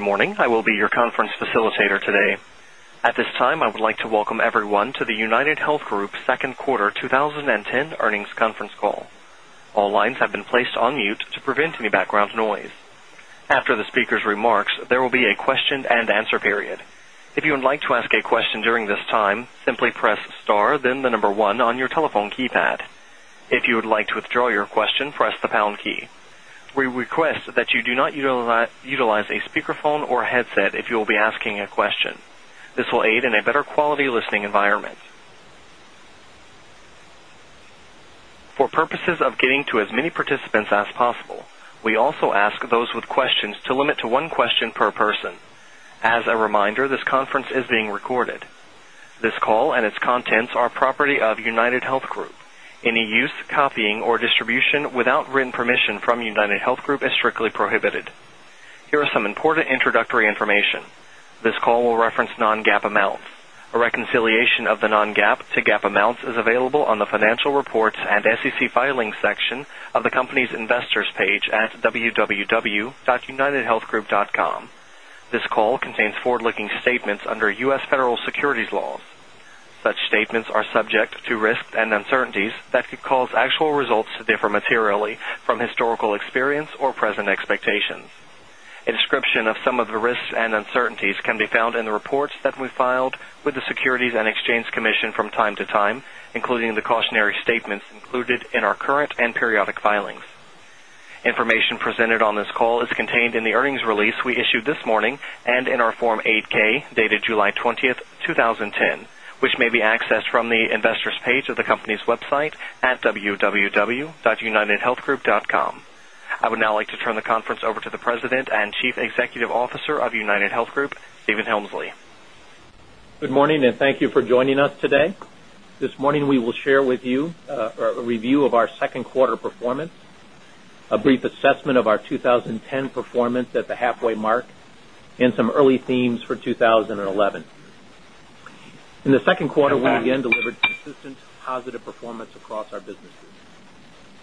Morning. I will be your conference facilitator today. At this time, I would like to welcome everyone to the UnitedHealth Group Second Quarter 2010 Earnings Conference Call. All lines have been placed on mute to prevent any background noise. After the speakers' remarks, there will be a question and answer period. Contents are property of UnitedHealth Group. Any use, copying or distribution without written permission from UnitedHealth Group is strictly prohibited. Here are some important the Financial Reports and SEC Filings section of the company's Investors page at www.unitedhealthgroup.com. This call contains forward looking statements under U. S. Federal securities laws. Such statements are subject to risks and uncertainties that could cause actual results to differ materially from historical experience or present expectations. A description of some of the risks and uncertainties can be found in the reports that we filed with the Securities and Exchange Commission from time to time, including the cautionary statements included in our current and periodic filings. Information presented on this call is contained in the earnings release we issued this morning and in our Form 8 ks dated July 20, 2010, which may be accessed from the Investors page of the company's website at www.unitedhealthgroup.com. I would now like to turn the conference over to the President and Chief Officer of UnitedHealth Group, Stephen Helmsley. Good morning and thank you for joining us today. This morning we will share with you a review of our Q2 performance, a brief assessment of our 20 10 performance at the halfway mark, and some early themes for 20 11. In the Q2, we again delivered consistent positive performance across our businesses. Our businesses.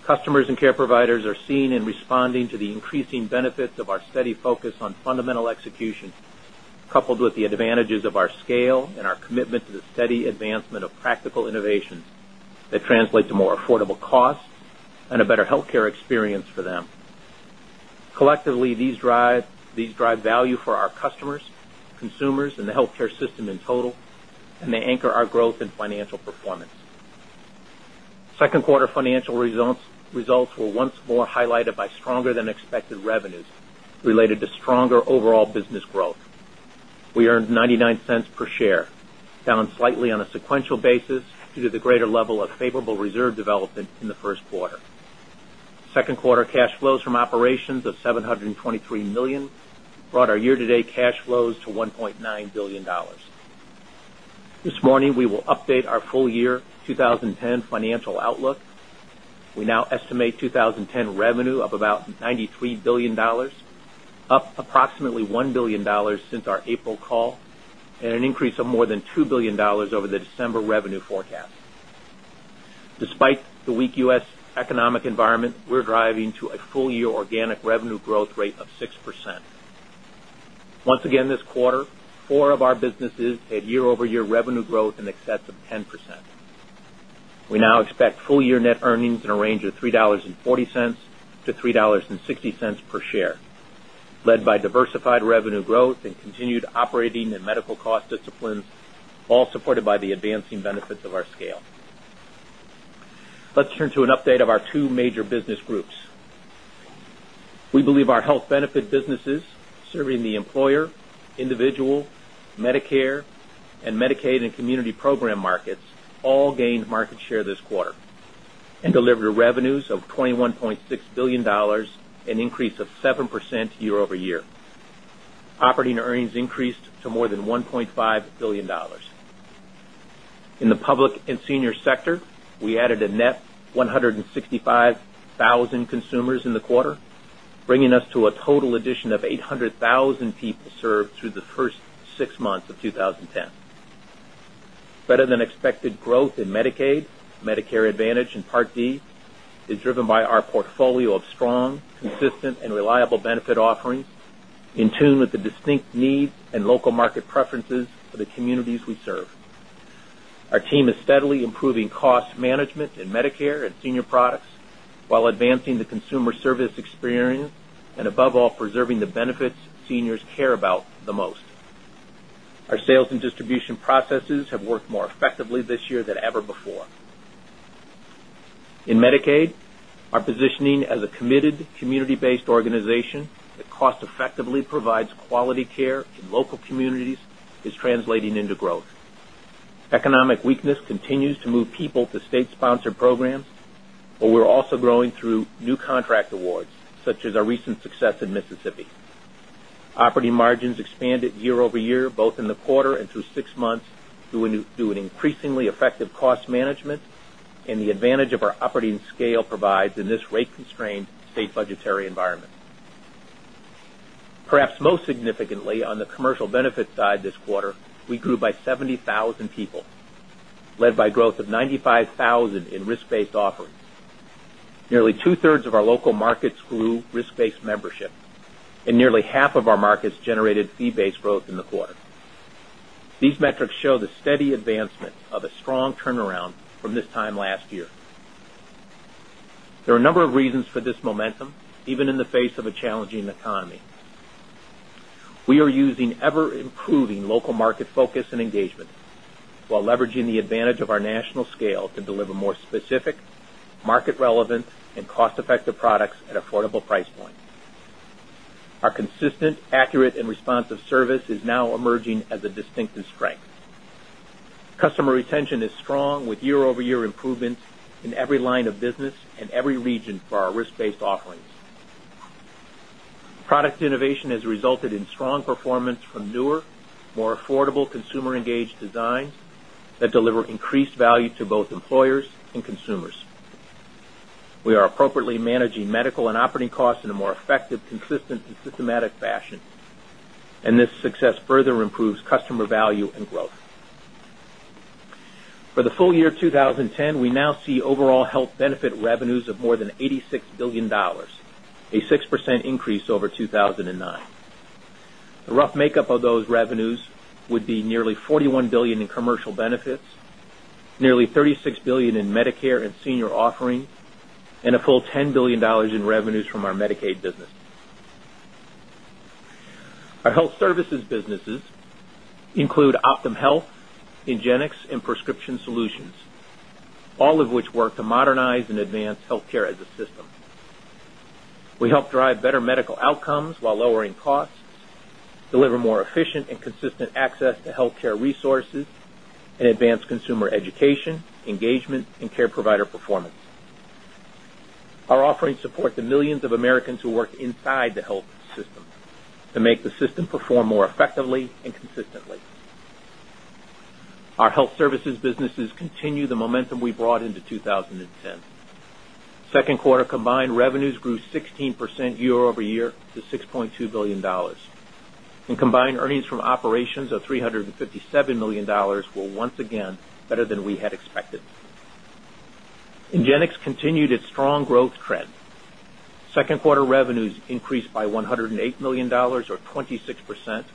Customers and care providers are seeing and responding to the increasing benefits of our steady focus on fundamental execution, coupled with a better healthcare experience for them. Collectively, these drive value for our customers, consumers and the healthcare system in total and they anchor our than expected revenues related to stronger overall business growth. We earned 0 point $9 dollars 1,000,000 brought our year to date cash flows to $1,900,000,000 This morning, we will update our full year 20 10 financial outlook. We now estimate 20 10 revenue of about $93,000,000,000 up approximately $1,000,000,000 since our April call and an increase of more than $2,000,000,000 over the December revenue forecast. Despite the weak U. S. Economic environment, we're driving to a full year organic revenue growth rate of 6%. Once again this quarter, 4 our businesses had year over year revenue growth in excess of 10%. We now expect full year net earnings in a range of $3.40 to 3 $0.60 per share, led by diversified revenue growth and continued operating and medical cost disciplines, all supported by the advancing benefits of our scale. Let's turn to an update of our 2 major business groups. We believe our health benefit businesses serving the employer, individual, Medicare and Medicaid and community program markets all gained market share this quarter and delivered revenues of $21,600,000,000 an increase of 7% year over year. Operating earnings increased to more than $1,500,000,000 In the public and senior sector, we added a net 165,000 consumers in the quarter, bringing us to a total addition of 800 1,000 people served through the 1st 6 months of 2010. Better than expected growth in Medicaid, Medicare Advantage and Part D is driven by our portfolio of strong, consistent and reliable benefit offerings in tune with the distinct needs in distribution processes have worked more effectively this year than ever before. In Medicaid, our positioning as a committed community based organization that cost effectively provides quality care in local communities is translating into growth. Economic weakness continues to move people to state sponsored programs, but we're also growing through new contract awards such as our recent success in Mississippi. Operating margins expanded year over year both in the quarter and through 6 months through an increasingly effective cost management and the advantage of our operating scale provides in this rate constrained state budgetary environment. Perhaps most significantly on the commercial benefits side this quarter, we grew by 70,000 people, led by growth of 95 1,000 in risk based offerings. Nearly 2 thirds of our local markets grew risk based membership and nearly half of our markets generated fee based growth in the quarter. These metrics show the steady advancement of a strong turnaround from this time last year. There are a number of reasons for this momentum even in the face of a challenging economy. We are using ever improving local market focus and engagement, while leveraging the advantage of our national scale to deliver more specific, market relevant and cost effective strength. Customer retention is strong with year over year improvements in every line of business and every region for our risk based offerings. Product innovation has resulted in strong performance from newer, more affordable consumer engaged designs that deliver increased more affordable consumer engaged designs that deliver increased value to both employers and consumers. We are appropriately managing medical and operating costs in a more effective, consistent and systematic fashion. And this success further improves customer value and growth. For the full year $86,000,000,000 a 6% increase over 2,009. The rough makeup of those revenues would be nearly $41,000,000,000 in commercial benefits, nearly $36,000,000,000 in Medicare and senior offering, and a full $10,000,000,000 in revenues from our Medicaid business. Our Health Services businesses include OptumHealth, Ingenix and Prescription Solutions, all of which work to modernize and advance healthcare as a system. We help drive better medical outcomes while lowering costs, deliver more efficient and consistent access to health care resources and advance consumer education, engagement and care provider performance. Our offering support the millions of Americans who work inside the health system to make the system perform more effectively and consistently. Our Health Services businesses continue the momentum we brought into 20 10. 2nd quarter combined revenues grew 16% year over year to $6,200,000,000 And combined earnings from operations of $357,000,000 were once again better than we had expected. Ingenix continued its strong growth trend. 2nd quarter revenues increased by $108,000,000 or 26 percent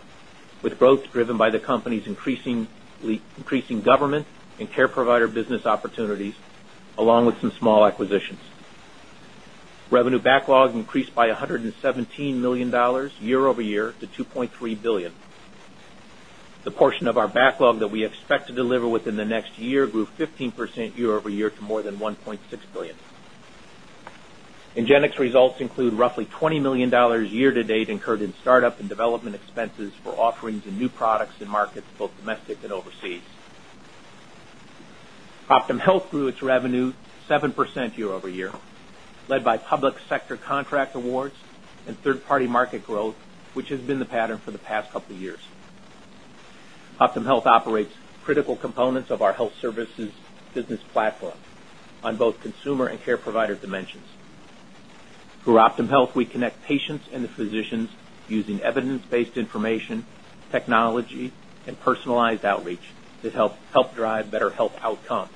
with growth driven by the company's increasing government and care provider business opportunities along with some small acquisitions. Revenue backlog increased by $117,000,000 year over year to 2,300,000,000 dollars The portion of our backlog that we expect to deliver within the next year grew 15% year over year to more than 1,600,000,000 dollars Ingenix results include roughly $20,000,000 year to date incurred in startup and development expenses for offerings in new products in markets both domestic and overseas. OptumHealth grew its revenue 7% year over year, led by public sector contract awards and third party market growth, which has been the pattern for the past couple of years. Optum Health operates critical evidence based information, technology and personalized outreach to help drive better health outcomes.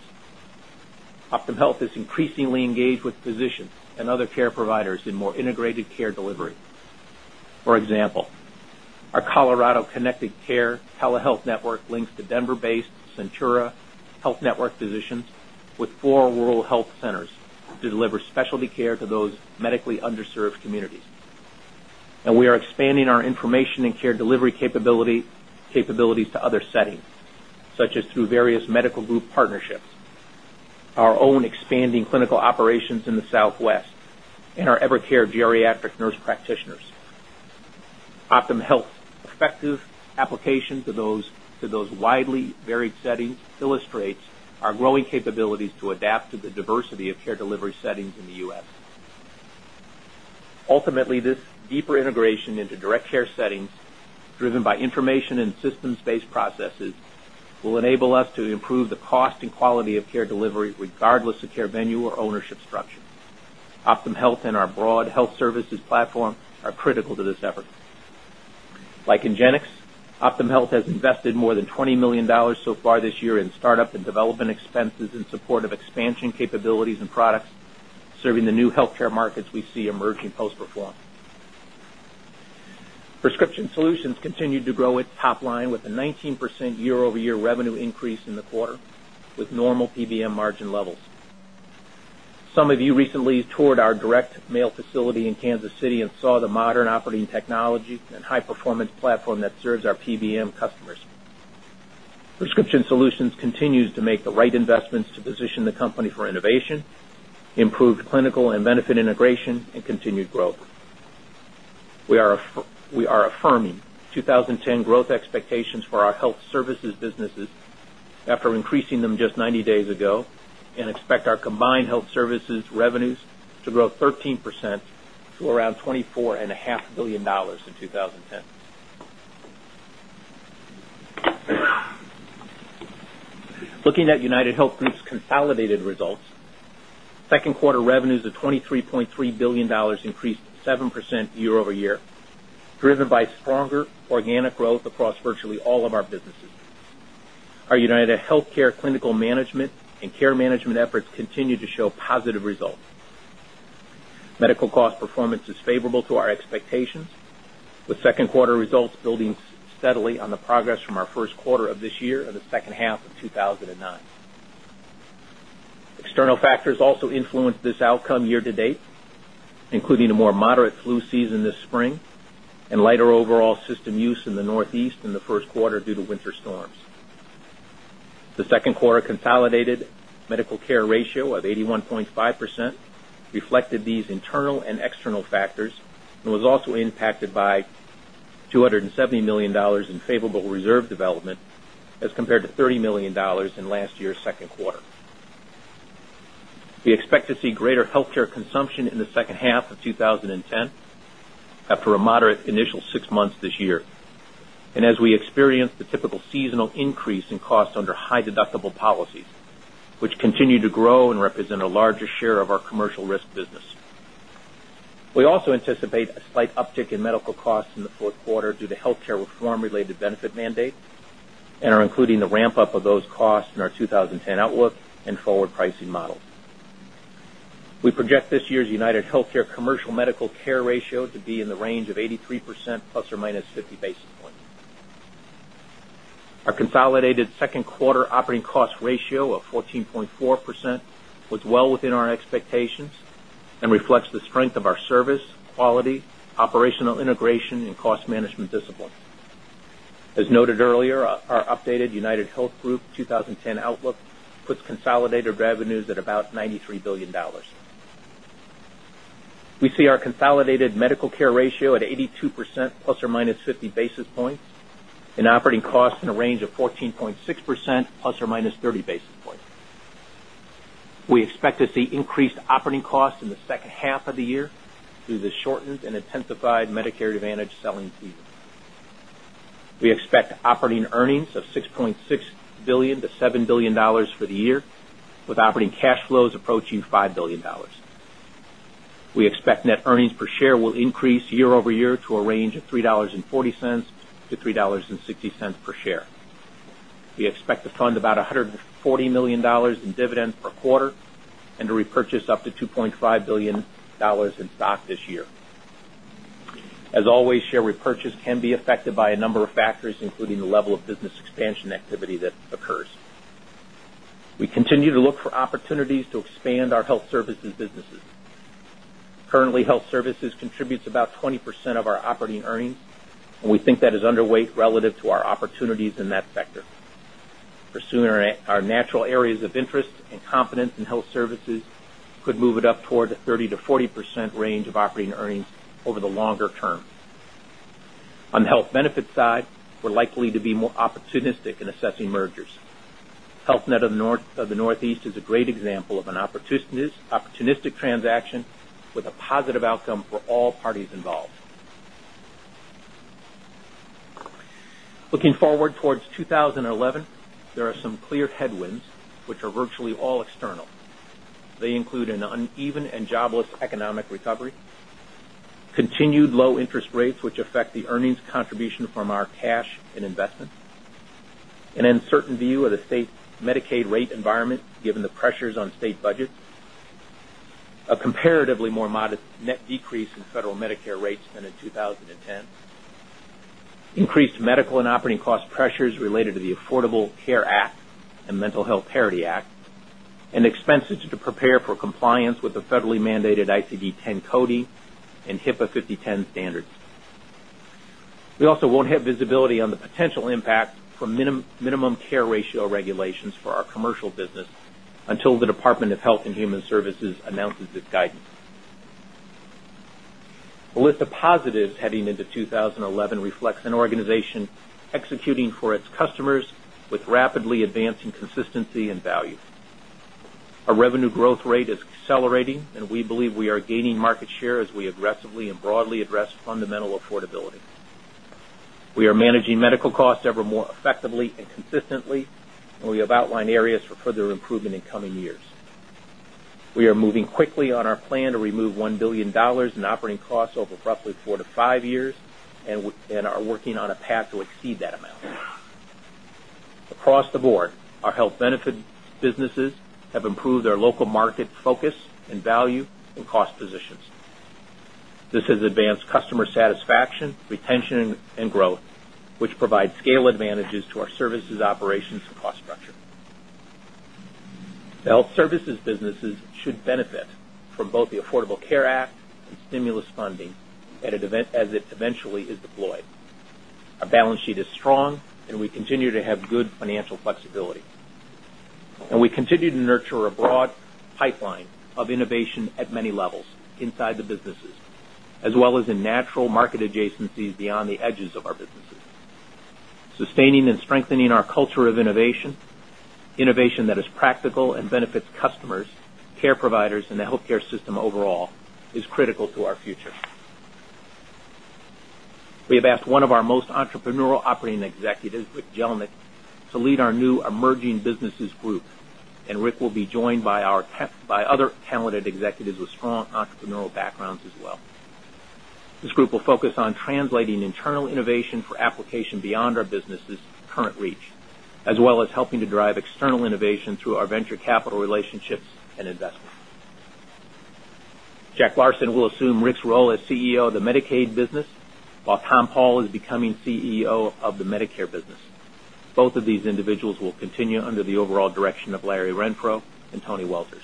OptumHealth is increasingly engaged with physicians and other care providers in more integrated care delivery. For example, our Colorado Connected Care telehealth network links to Denver based Centura Health Network physicians with 4 rural health centers to deliver specialty care to those medically underserved communities. And we are expanding our information and care delivery capabilities to other settings such as through various medical group partnerships, our own expanding clinical operations in the Southwest and our Ever Care geriatric nurse practitioners. OptumHealth's effective application to those widely varied settings illustrates our growing capabilities to adapt to the diversity of care delivery settings in the U. S. Ultimately, this deeper integration into direct care settings driven by information and systems based processes will enable us to improve the cost and quality of care delivery regardless of care venue or ownership structure. OptumHealth and our broad health services platform are critical to this effort. Like Ingenix, OptumHealth has invested more than $20,000,000 so far this year in start up and development expenses in support of expansion capabilities and products serving the new healthcare markets we see emerging post increase in the quarter with normal PBM margin levels. Some of you recently toured our direct mail facility in Kansas City and saw the modern operating technology and high performance platform that serves our PBM customers. Prescription Solutions continues to make the right investments position the company for innovation, improved clinical and benefit integration and continued growth. We are affirming 20 10 growth expectations for our Health Services businesses after increasing them just 90 days ago and expect our combined health services revenues to grow 13% to around 24,500,000,000 in 20.10. Looking at UnitedHealth Group's consolidated results, 2nd quarter revenues of $23,300,000,000 increased 7% year over year, driven by stronger organic growth across virtually all of our businesses. Our UnitedHealthcare clinical management and care management efforts continue to show positive results. Medical cost performance is favorable to our expectations with 2nd quarter results building steadily on the progress from our Q1 of this year or the second half of two thousand and nine. External factors also influenced this outcome year to date, including a more moderate flu season this spring and lighter overall system use in the Northeast in the first quarter due to winter storms. The 2nd quarter consolidated medical care ratio of 81.5% reflected these internal and external factors and was also impacted by $270,000,000 in favorable reserve development as compared to $30,000,000 a moderate initial 6 months this year and as we experienced the typical seasonal increase in costs under high deductible policies, which continue to grow and represent a larger share of our commercial risk business. We also anticipate a slight uptick in medical costs in the 4th quarter due to healthcare reform related benefit mandate and are including the ramp up of those costs in our 20 10 outlook and forward pricing model. We project this year's UnitedHealthcare Commercial Medical Care ratio to be in the range of 83 percent plus or minus 50 basis points. Our consolidated 2nd quarter operating cost ratio of 14.4 percent was well within our expectations and reflects the strength of our service, quality, operational integration and cost management discipline. As noted earlier, our updated UnitedHealth Group our consolidated medical care ratio at 82 percent plus or minus 50 basis points and operating costs in a range of 14.6 percent plus or minus 30 basis points. We expect to see increased operating costs in the second half of the year through the shortened and intensified Medicare Advantage selling season. We expect operating earnings of $6,600,000,000 to $7,000,000,000 for the year with operating cash flows approaching $5,000,000,000 We expect net earnings per share will increase year over year to a range of 3 $0.40 to $3.60 per share. We expect to fund about $140,000,000 in dividend per quarter and to repurchase up to $2,500,000,000 in stock this year. As always, As always, share repurchase can be affected by a number of factors including the level of business expansion activity that occurs. We continue to look for opportunities to expand our Health Services businesses. Currently Health Services contributes about 20% of our operating earnings and we think that is underweight relative to our opportunities in that sector. Pursuing our natural areas of interest and confidence in health services could move it up toward 30% to 40% range of operating earnings over the longer term. On the Health Benefits side, we're likely to be more opportunistic in assessing mergers. Health Net of the Northeast is a great example of an opportunistic transaction with a positive outcome for all parties involved. Looking forward towards 2011, there are some clear headwinds, which are virtually all external. They include an uneven and jobless economic recovery, continued low interest rates, which affect the earnings affect the earnings contribution from our cash and investments an uncertain view of the state Medicaid rate environment given the pressures on state budgets a comparatively more modest net decrease in federal Medicare rates than in 2010, increased medical and operating cost pressures related to the Affordable Care Act and Mental Health Parity Act and expenses to prepare for compliance with the federally mandated ICD-ten CodeE and HIPAA 5010 standards. We also won't have visibility on the potential impact from minimum care ratio regulations for our commercial business until the Department of Health and Human Services announces this guidance. With the positives heading into 2011 reflects an organization executing for its customers with rapidly advancing consistency and value. Our revenue growth rate is accelerating and we believe we are gaining market share as we aggressively and broadly address fundamental affordability. We are managing medical costs ever more effectively and consistently and we have outlined areas for further improvement in coming years. We are moving quickly on our plan to remove $1,000,000,000 in operating costs over roughly 4 to 5 years and are working on a path to exceed that amount. Across the board, our health benefit businesses have improved their local market focus and value and cost positions. This has advanced customer satisfaction, retention and growth, which provides scale advantages to our services operations and cost structure. The health services businesses should benefit from both the Affordable Care Act and stimulus funding as it eventually is deployed. Our balance sheet is strong and we continue to have good financial flexibility. And we continue to nurture a broad pipeline of innovation at many levels inside the businesses as well as in natural market adjacencies beyond the edges of our businesses. Sustaining strengthening our culture of innovation, innovation that is practical and benefits customers, care providers and the healthcare system overall is critical to our future. We have asked one of our most entrepreneurial operating executives, Rick Jelenic, to lead our new emerging businesses group and Rick will be joined by other talented executives with strong entrepreneurial backgrounds as well. This group will focus on translating internal innovation for application beyond our business' current reach, as well as helping to drive external innovation through our venture capital relationships and investments. Jack Larson will assume Rick's role as CEO of overall direction of Larry Renfro and Tony Welters.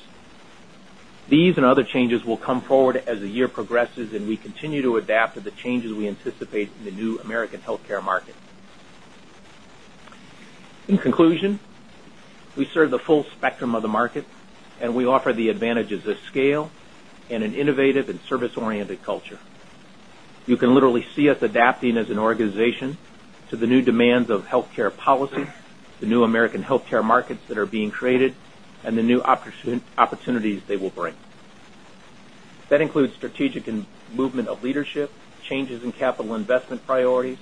These and other changes will come forward as the year progresses and we continue to adapt to the changes we anticipate in in the advantages of scale and an innovative and service oriented culture. You can literally see us adapting as an organization to the new demands of healthcare policy, the new American healthcare markets that are being created and the new opportunities they will bring. That includes strategic movement of leadership, changes in capital investment priorities,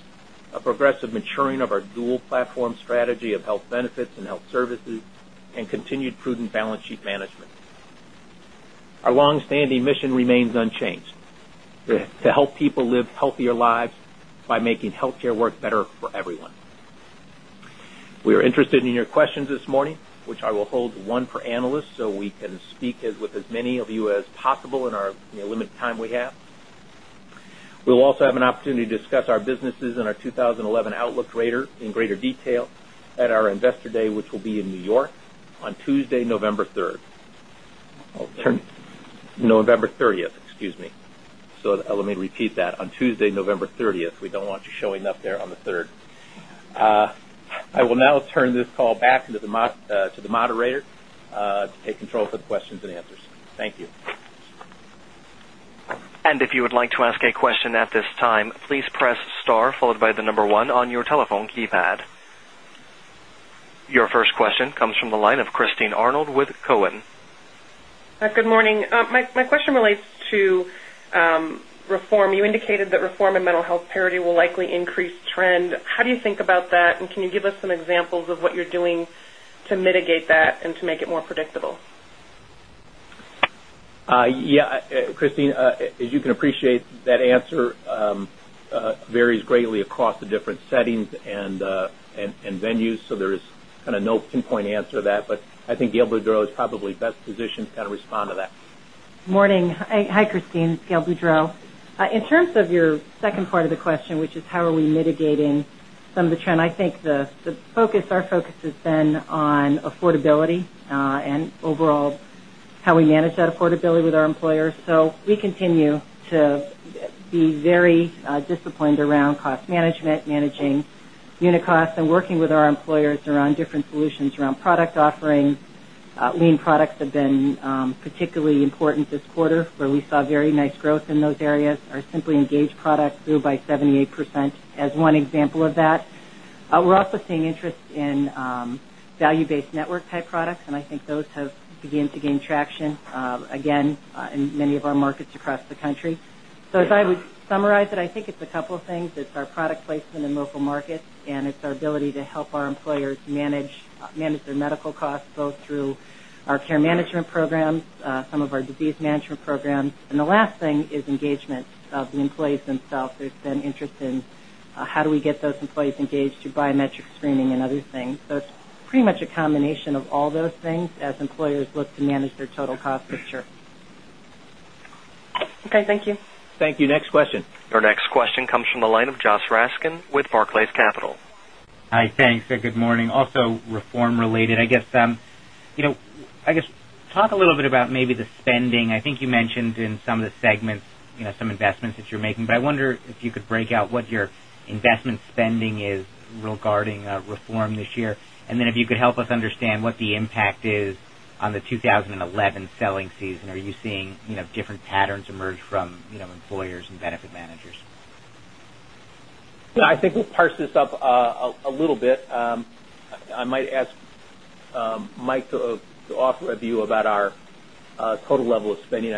a progressive maturing of our dual platform strategy of health benefits and health services, making health care work better for everyone. We are interested in your questions this morning, which I will hold one for analysts, so we can speak with as many of you as possible in our limited time we have. We will also have an opportunity to discuss our businesses November 30th, excuse me. So let me repeat that, on Tuesday, November 30th, we don't want you showing up there on 3rd. I will now turn this call back to the moderator to take control of the questions and answers. Thank you. Your Your first question comes from the line of Christine Arnold with Cowen. Good morning. My question relates to reform. You indicated that reform in mental health parity will likely increase trend. How do you think about that? And can you give us some examples of what you're doing to mitigate that and to make it more predictable? Yes. Christine, as you can appreciate, that answer varies greatly across the different settings and venues. So there is kind of no pinpoint answer to that. But I think Gail Boudreaux is probably best positioned to kind of respond to that. Morning. Hi, Christine. It's Gail Boudreaux. In terms of your second part of the question, which is how are we mitigating some of the trend, I think the focus our focus has been on affordability and overall how we manage that affordability with our employers. So we continue to be very disciplined around cost management, managing unit costs and working with our employers around different solutions around product offerings. Lean products have been particularly important this quarter where we saw very nice growth in those areas. Our Simply Engage products grew by 78% as one example of that. We're also seeing interest in value based network type products and I think those have begun to gain traction again in many of our markets across the country. So if I would summarize it, I think it's a couple of things. It's our product place in the local markets and it's our ability to help our employers manage their medical costs both through our care management programs, some of our disease management programs. And the last thing is engagement of the employees themselves. There's been interest in how do we get those employees engaged to biometric screening and other things. So it's pretty much a combination of all those things as employers look to manage their total cost structure. Okay. Thank you. Thank you. Next question. Your next question comes from the line of Josh Raskin with Barclays Capital. Hi, thanks and good morning. Also reform related, I guess, talk a little bit about maybe the spending. I think you mentioned in some of the segments some investments that you're making. But I wonder if you could break out what your investment spending is regarding reform this year? And then if you could help us understand what the impact is on the 2011 selling season? Are you seeing different patterns emerge employers and benefit managers? Yes. I think we'll parse this up a little bit. I might ask Mike to offer a view about our total level of spending.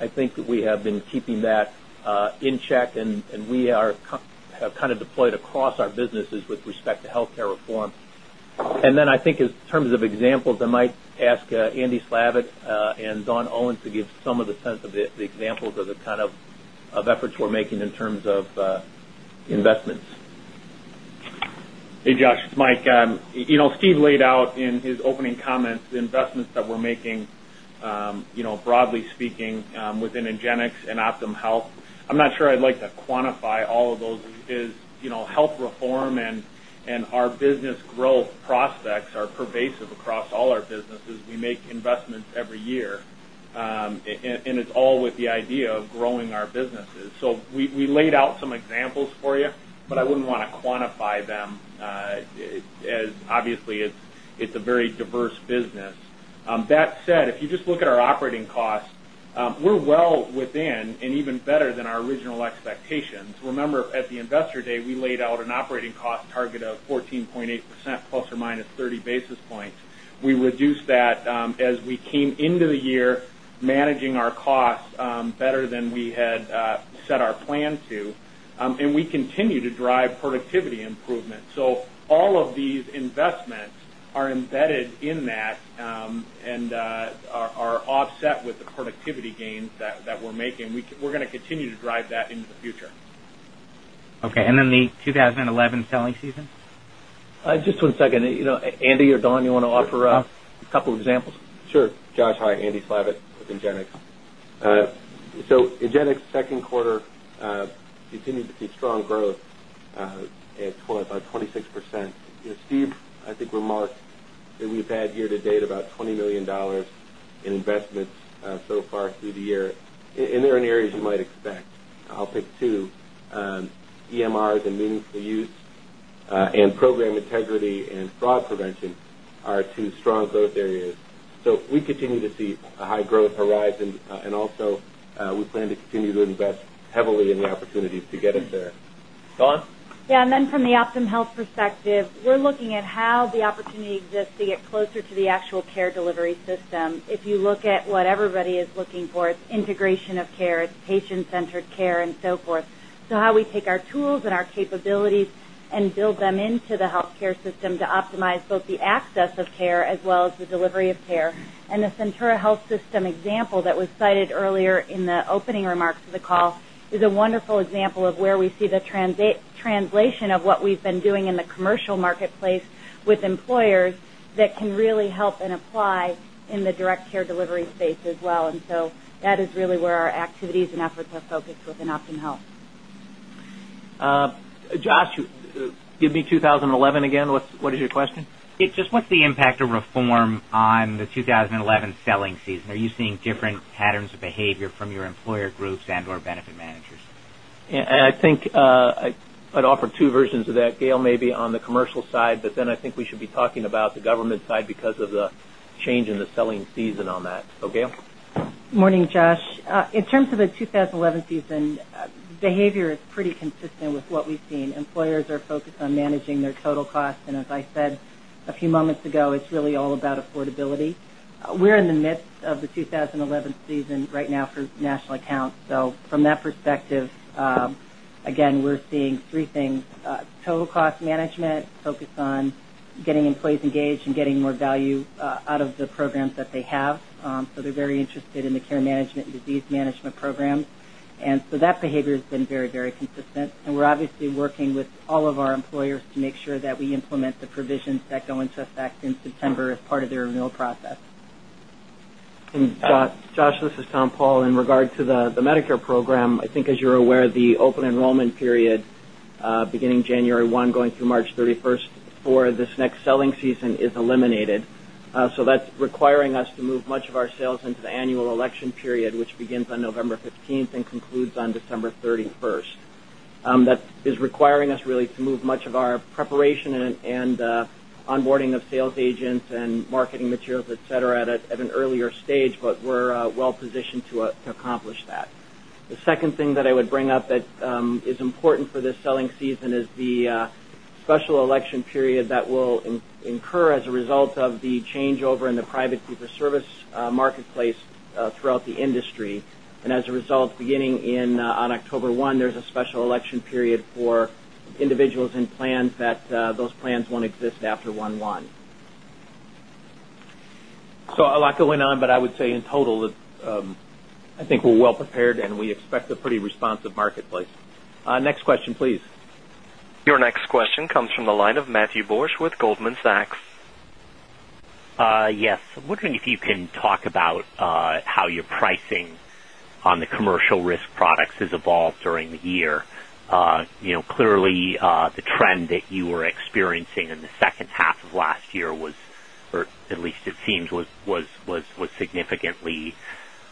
I think that we have been keeping that in check and we are kind of deployed across our businesses with respect to healthcare reform. And then I think in terms of examples I might ask Andy Slavitt and Don Owens to give some of the sense of the examples of the kind of efforts we're making in terms of investments. Hey, Josh, it's Mike. Steve laid out in his opening comments, the investments that we're making, broadly speaking, within Ingenix and Optum Health. I'm not sure I'd like to quantify all of those is health reform and our business growth prospects are pervasive across all our businesses. We make investments every year. And it's all with the idea of growing our businesses. So we laid out some examples for you, but I wouldn't want to quantify them as obviously it's a very diverse business. That said, if you just look at our operating costs, we're well within and 30 basis points. We reduced that as we came into the year managing our costs better than we had set our plan to. And continue to drive productivity improvement. So all of these investments are embedded in that and are offset with the productivity gains that we're making. We're going to continue to drive that into the future. Okay. And then the 2011 selling season? Just one second. Andy or Don, you want to offer a couple of examples? Sure. Josh, hi. Andy Slavitt with Ingenix. So Ingenix 2nd quarter continued to see strong growth at about 26%. Steve, I think, remarked that we've had year to date about $20,000,000 in investments so far through the year. And there are areas you might expect. I'll pick 2, EMRs and meaningful use and program integrity and fraud prevention are 2 strong growth areas. So we continue to see a high growth horizon and also we plan to continue to invest heavily in the opportunities to get us there. Dawn? Yes. And then from the OptumHealth perspective, we're looking at how the opportunity exists to get closer to the actual care delivery system. If you look at what everybody is looking for, it's integration of care, it's patient centered care and so forth. So how we take our tools and our capabilities and them into the health care system to optimize both the access of care as well as the delivery of care. And the Centura Health System example that was cited earlier in the opening remarks of the call is a wonderful example of where we see the translation of what we've been doing in the commercial marketplace with employers that can really help and apply in the direct care delivery space as well. And so that is really where our activities and efforts are focused within OptumHealth. Josh, give me 2011 again, what is your question? Just the impact of reform on the 2011 selling season? Are you seeing different patterns of behavior from your employer groups and or benefit managers? I think I'd offer 2 versions of that Gail maybe on the commercial side, but then I think we should be talking about the government side because of the change in the selling season on that. So Gail? Good morning, Josh. In terms of the 2011 season, behavior is pretty consistent with what we've seen. Employers are focused on managing their total cost. And as I said a few moments ago, it's really all about affordability. We're in the midst of the 20 11 season right now for national accounts. So from that perspective, again, we're seeing 3 things: total cost management, focus on getting employees engaged and getting more value out of the programs that they have. So they're very interested in the care management and disease management programs. And so that behavior has been very, very consistent. And we're obviously working with all of our employers to make sure that we implement the provisions that go into effect in September as part of their renewal process. And Josh, this is Tom Paul. In regard to the Medicare program, I think as you're aware, the open enrollment period beginning January 1 going through March 31 for this next selling season is eliminated. So that's requiring us to move much of our sales into the annual election period, which begins on November 15 and concludes on December 31. That is requiring us really to to move much of our preparation and onboarding of sales agents and marketing materials, etcetera, at an earlier stage, but we're well positioned to accomplish that. The second thing that I would bring up that is important for this selling season is the special election period that will incur as a result of the changeover in the private fee for service marketplace throughout the industry. And as a result, beginning in oneone. So a lot going on, but I would say in total I think we're well prepared and we expect a pretty responsive marketplace. Your next question comes from the line of Matthew Borsch with Goldman Sachs. Yes. Wondering if you can talk about how your pricing on the commercial risk products has evolved during the year. Clearly, the trend that you were experiencing in the second half of last year was or at least it seems was significantly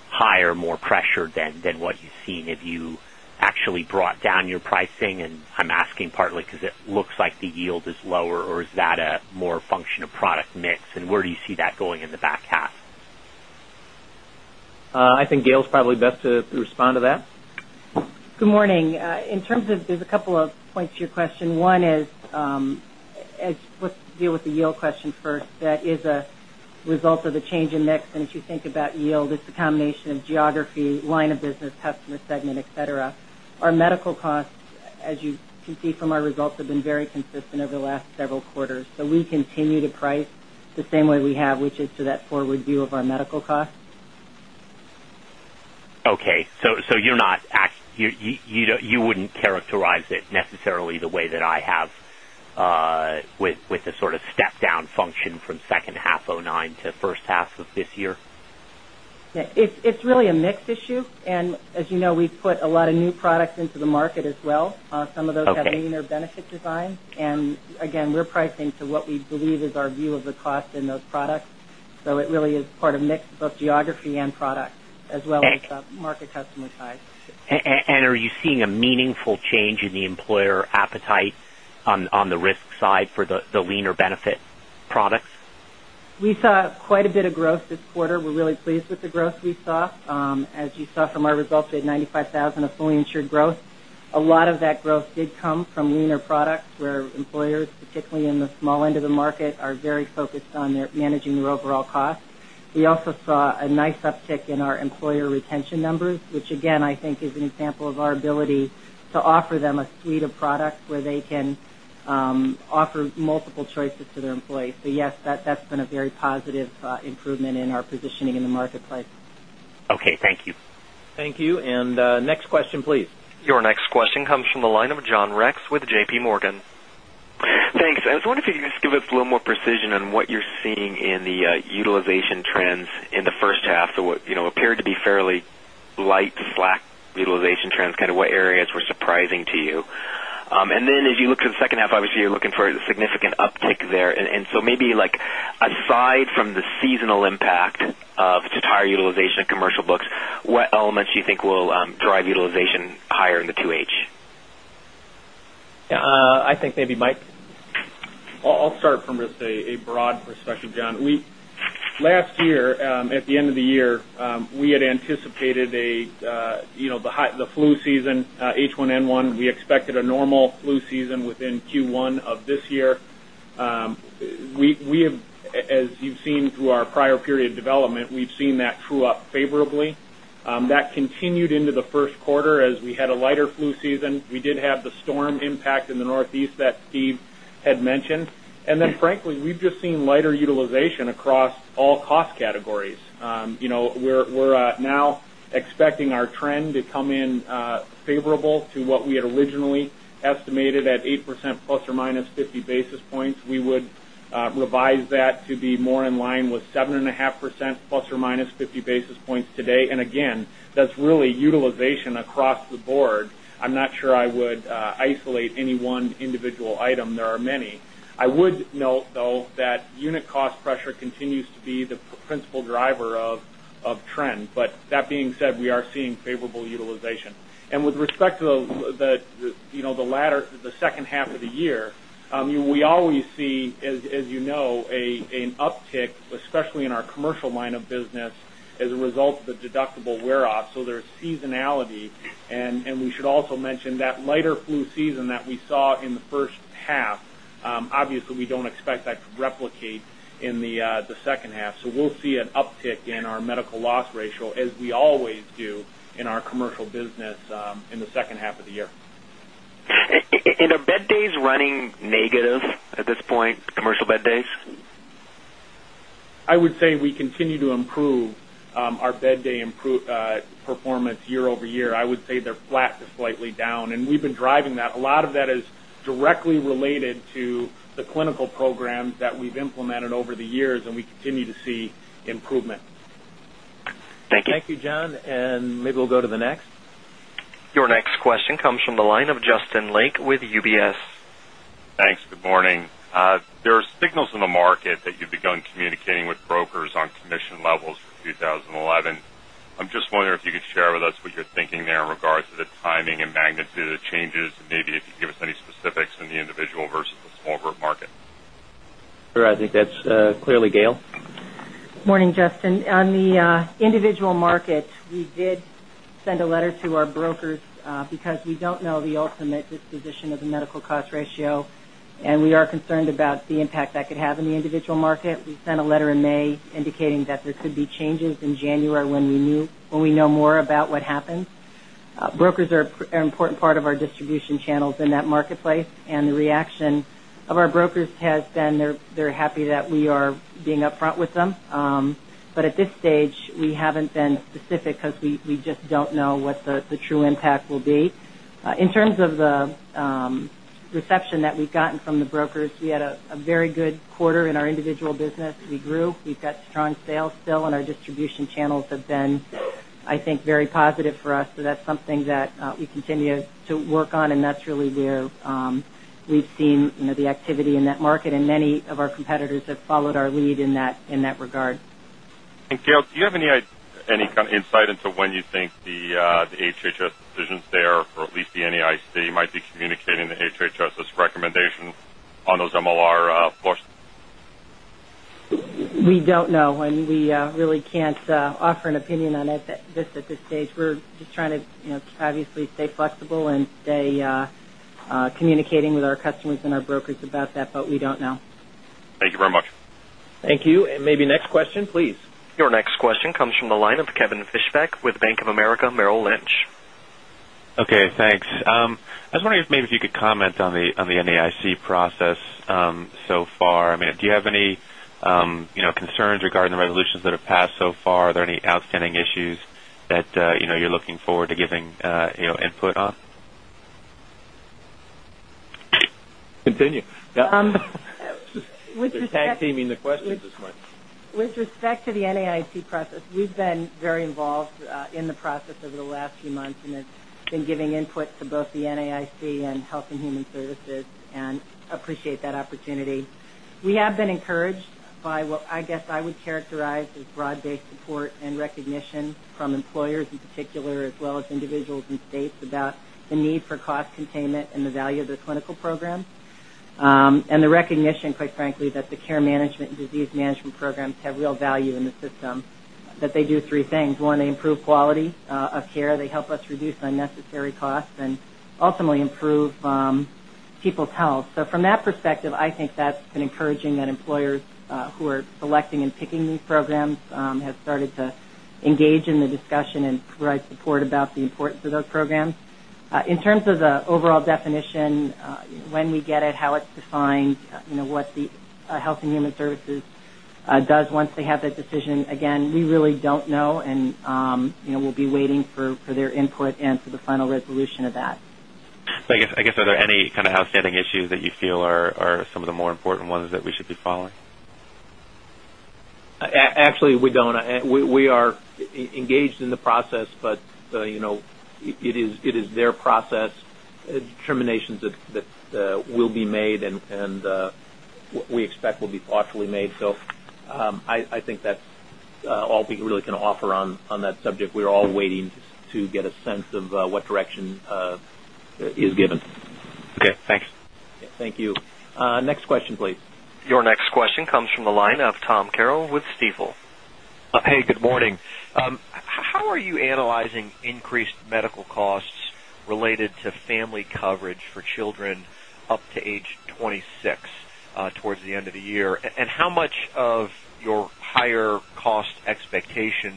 higher, more pressure than what you've seen if you actually brought down your pricing? And I'm asking partly because it looks like the yield is lower or is that a more function of product mix and where do you see that going in the back half? I think Gail is probably best to respond to that. Good morning. In terms of there's a couple of points to your question. One is, let's deal with the yield question first. That is a result of the change in mix. And as you think about yield, it's a combination of geography, line of business, customer segment, etcetera. Our medical costs, as you can see from our results, have been very consistent over the last several quarters. So we continue to price the same way we have, which is to that forward view of our medical costs. Okay. So you're not you wouldn't characterize it necessarily the way that I have with the sort of step down function from second half 'nine to first half of this year? Yes. It's really a mix issue. And as you know, we've put a lot of new products into the market as well. Some of those have leaner benefit designs. And again, we're pricing to what we believe is our view of the cost in those products. So it really is part of mix both geography and product as well as the market customer side. And are you seeing a meaningful change in the employer appetite on the risk side for the leaner benefit products? We saw quite a bit of growth this quarter. We're really pleased with the growth we saw. As you saw from our results, we had 95,000 of fully insured growth. A lot of that growth did come from leaner products where employers particularly in the small end of the market are very focused on managing their overall costs. We also saw a nice uptick in our employer retention numbers, which again I think is an example of our ability to offer them a suite of products where they can offer multiple choices to their employees. So yes, that's been a very positive improvement in our positioning in the marketplace. Okay. Thank you. Thank you. And next question please. Your next question comes from the line of John Rex with JPMorgan. Thanks. I was wondering if you could just give us a little more precision on what you're seeing in the utilization trends in the first half. So, what appeared to be fairly light slack utilization trends, kind of what areas were surprising to you? And then as you look to the second half, obviously, you're looking for a significant uptick there. And so maybe like aside from the seasonal impact of just higher utilization in commercial books, what elements you think will drive utilization higher in the 2H? Yes. I think maybe Mike? I'll start from just a broad perspective, John. Last year, at the end of the year, we had anticipated the flu season H1N1, we expected a normal flu season within Q1 of this year. Quarter. We've seen that true up favorably. That continued into the Q1 as we had a lighter flu season. We did have the storm impact in the Northeast that Steve had mentioned. And then frankly, we've just seen lighter utilization across all cost categories. We're now expecting our trend to come in favorable to what we had originally estimated at 8% plus or minus 50 basis points. We would revise that to be more in line with 7.5 percent plus or minus 50 basis points today. And again, that's really utilization though that unit cost pressure continues to be the principal driver of trend. But that being said, we are seeing favorable utilization. And with respect to the latter the second half of the year, we all we see, as you know, an uptick, especially in our commercial line of business as a result of the deductible wear off. So there's seasonality. And we should also mention that lighter flu season that we saw in the first half, obviously, we don't expect that to replicate in the second half. So, we'll see an uptick in our medical loss ratio as we always do in our commercial business in the second half of year. And are bed days running negative at this point, commercial bed days? I would say we continue to improve our bed day performance year over year. I would say they're flat to slightly down and we've been driving that. A lot of that is directly related to the clinical programs that we've implemented over the years and we continue to see improvement. Thank you. Thank you, John. And maybe we'll go to the next. Your next question comes from the line of Justin Lake with UBS. Thanks. Good morning. There are signals in the market that you've begun communicating with brokers on commission levels for 2011. I'm just wondering if you could share with us what you're thinking there in regards to the timing and magnitude of changes and maybe if you could give us any specifics in the individual versus the small group market? Sure. I think that's clearly Gail. Good morning, Justin. On the individual market, we did send a letter to our brokers because we don't know the ultimate disposition of the medical cost ratio and we are concerned about the impact that could have in the individual market. We sent a letter in May indicating that there could be changes in January when we knew when we know more about what happens. Brokers are January when we knew when we know more about what happens. Brokers are an important part of our distribution channels in that marketplace. And the reaction of our brokers has been they're happy that we are being upfront with them. But at this stage, we haven't been specific because we just don't know what the true impact will be. In terms of the reception that we've gotten from the brokers, we had a very good quarter in individual business. We grew. We've got strong sales still and our distribution channels have been I think very positive for us. So that's something that we continue to work on and that's really where we've seen the activity in that market and many of our competitors have followed our lead in that regard. And Gail, do you have any kind of insight into when you think the HHS decisions there or at least the NAIC might be communicating the HHS' recommendation on those MROR forces? We don't know. And we really can't offer an opinion on this at this stage. We're just trying to obviously stay flexible and stay communicating with our customers and our brokers about that, but we don't know. Thank you very much. Thank you. And maybe next question please. Your next question comes from the line of Kevin Fischbeck with Bank of America Merrill Lynch. Okay. Thanks. I was wondering if maybe you could comment on the NAIC process so far. I mean, do you have any concerns regarding the resolutions that have passed so far? Are there any outstanding issues that you're looking forward to giving input on? Continue. With respect to the NAIC process, we've been very involved in the process over the last few months and have been giving input to both the NAIC and Health and Human Services and appreciate that opportunity. We have been encouraged by what I guess I would characterize as broad based support and recognition from employers in particular as well as individuals in states the need for cost containment and the value of the clinical programs. And the recognition quite frankly that the care management and disease management programs have real value in the system that they do three things. 1, they improve quality of care. They help us reduce unnecessary costs and ultimately improve people's health. So from that perspective, I think picking these picking these programs have started to engage in the discussion and provide support about the importance of those programs. In terms of the overall definition, when we get it, how it's defined, what the Health and Human Services does once they have that decision, again, we really don't know and we'll be waiting for their input and for the final resolution of that. I guess are there any kind of outstanding issues that you feel are some of the more important ones that we should be following? Actually, we don't. We are engaged in the process, but it is their process, determinations that will be made and what we expect will be thoughtfully made. So, I think that's all we really can offer on that subject. We're all waiting to get a sense of what direction is given. Okay. Thanks. Thank you. Next question please. Your next question comes from the line of Tom Carroll with Stifel. Hey, good morning. How are you analyzing increased medical costs related to family coverage for children up to age 26 towards the end of the year? And how much of your higher cost expectation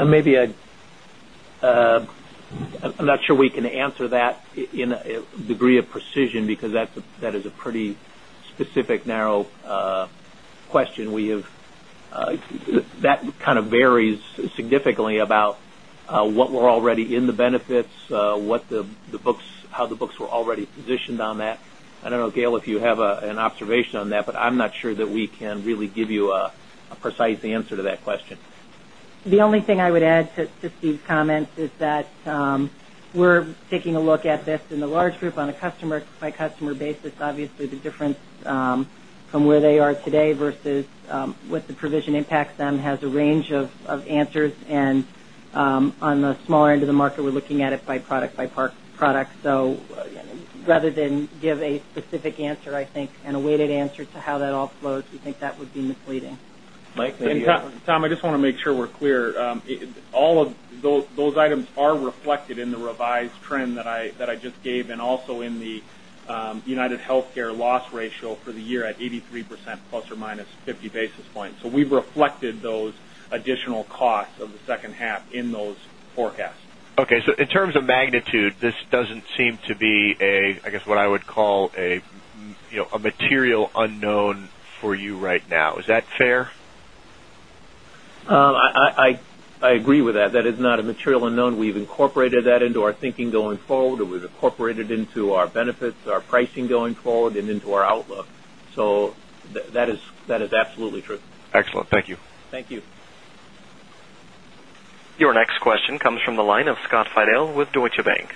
Maybe I'm not sure we can answer that in a degree of precision because that is a pretty specific narrow question. We have that kind of varies that, but I'm not sure that we can really give you a precise answer to that question. The only thing I would add to Steve's comments is that we're taking a look at this in the large group on a customer by customer basis. Obviously, provision impacts them has a range of answers. And on the smaller end of the market, we're looking at it by product by product. So rather than give a specific answer, I think, and a weighted answer to how that all flows, we think that would be misleading. Mike, Tom, I just want to make sure we're clear. All of those items are reflected in the revised trend that I just gave and also in the United Healthcare loss ratio for the year at 83 percent plus or minus 50 basis points. So we've reflected those additional costs of the second half in those forecasts. Okay. So in terms of magnitude, this doesn't seem to be a, I guess, what I would call a material unknown for you right now. Is that fair? I agree with that. That is not a material unknown. We've incorporated that into our thinking going forward. It was incorporated into our benefits, our pricing going forward and into our outlook. So that is absolutely true. Excellent. Thank you. Thank you. Your next question comes from the line of Scott Fidel with Deutsche Bank.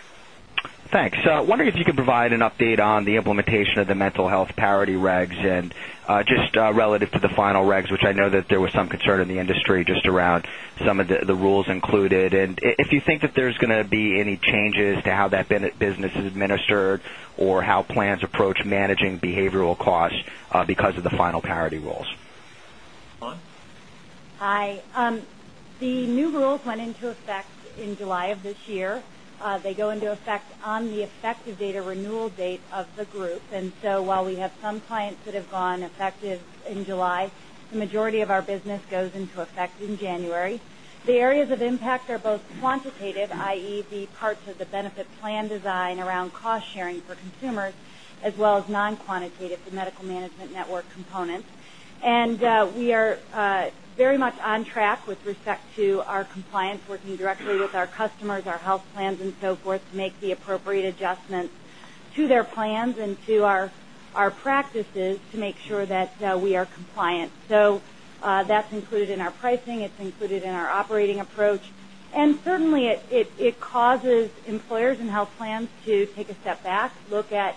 Thanks. Wondering if you could provide an update on the implementation of the mental health parity regs and just relative to the final regs, which I know that there was some concern in the industry just around some of the rules included. And if you think that there's going to be any changes to how that business is administered or how plans approach managing behavioral costs because the final parity rules? The new rules went into effect in July of this year. They go into effect on the effective data renewal date of the group. And so while we have some clients that have gone effective in July, the majority of our business goes into effect in January. The areas of impact are both quantitative, I. E, the parts of the benefit plan design around cost sharing for consumers as well as non quantitative to medical management network components. And we are very much on track with respect to our compliance, working directly with our customers, our health plans and so forth to make the appropriate adjustments to their plans and to our practices to make sure that we are compliant. So that's included in our pricing. It's included in our operating approach. And certainly, it causes employers and health plans to take a step back, look at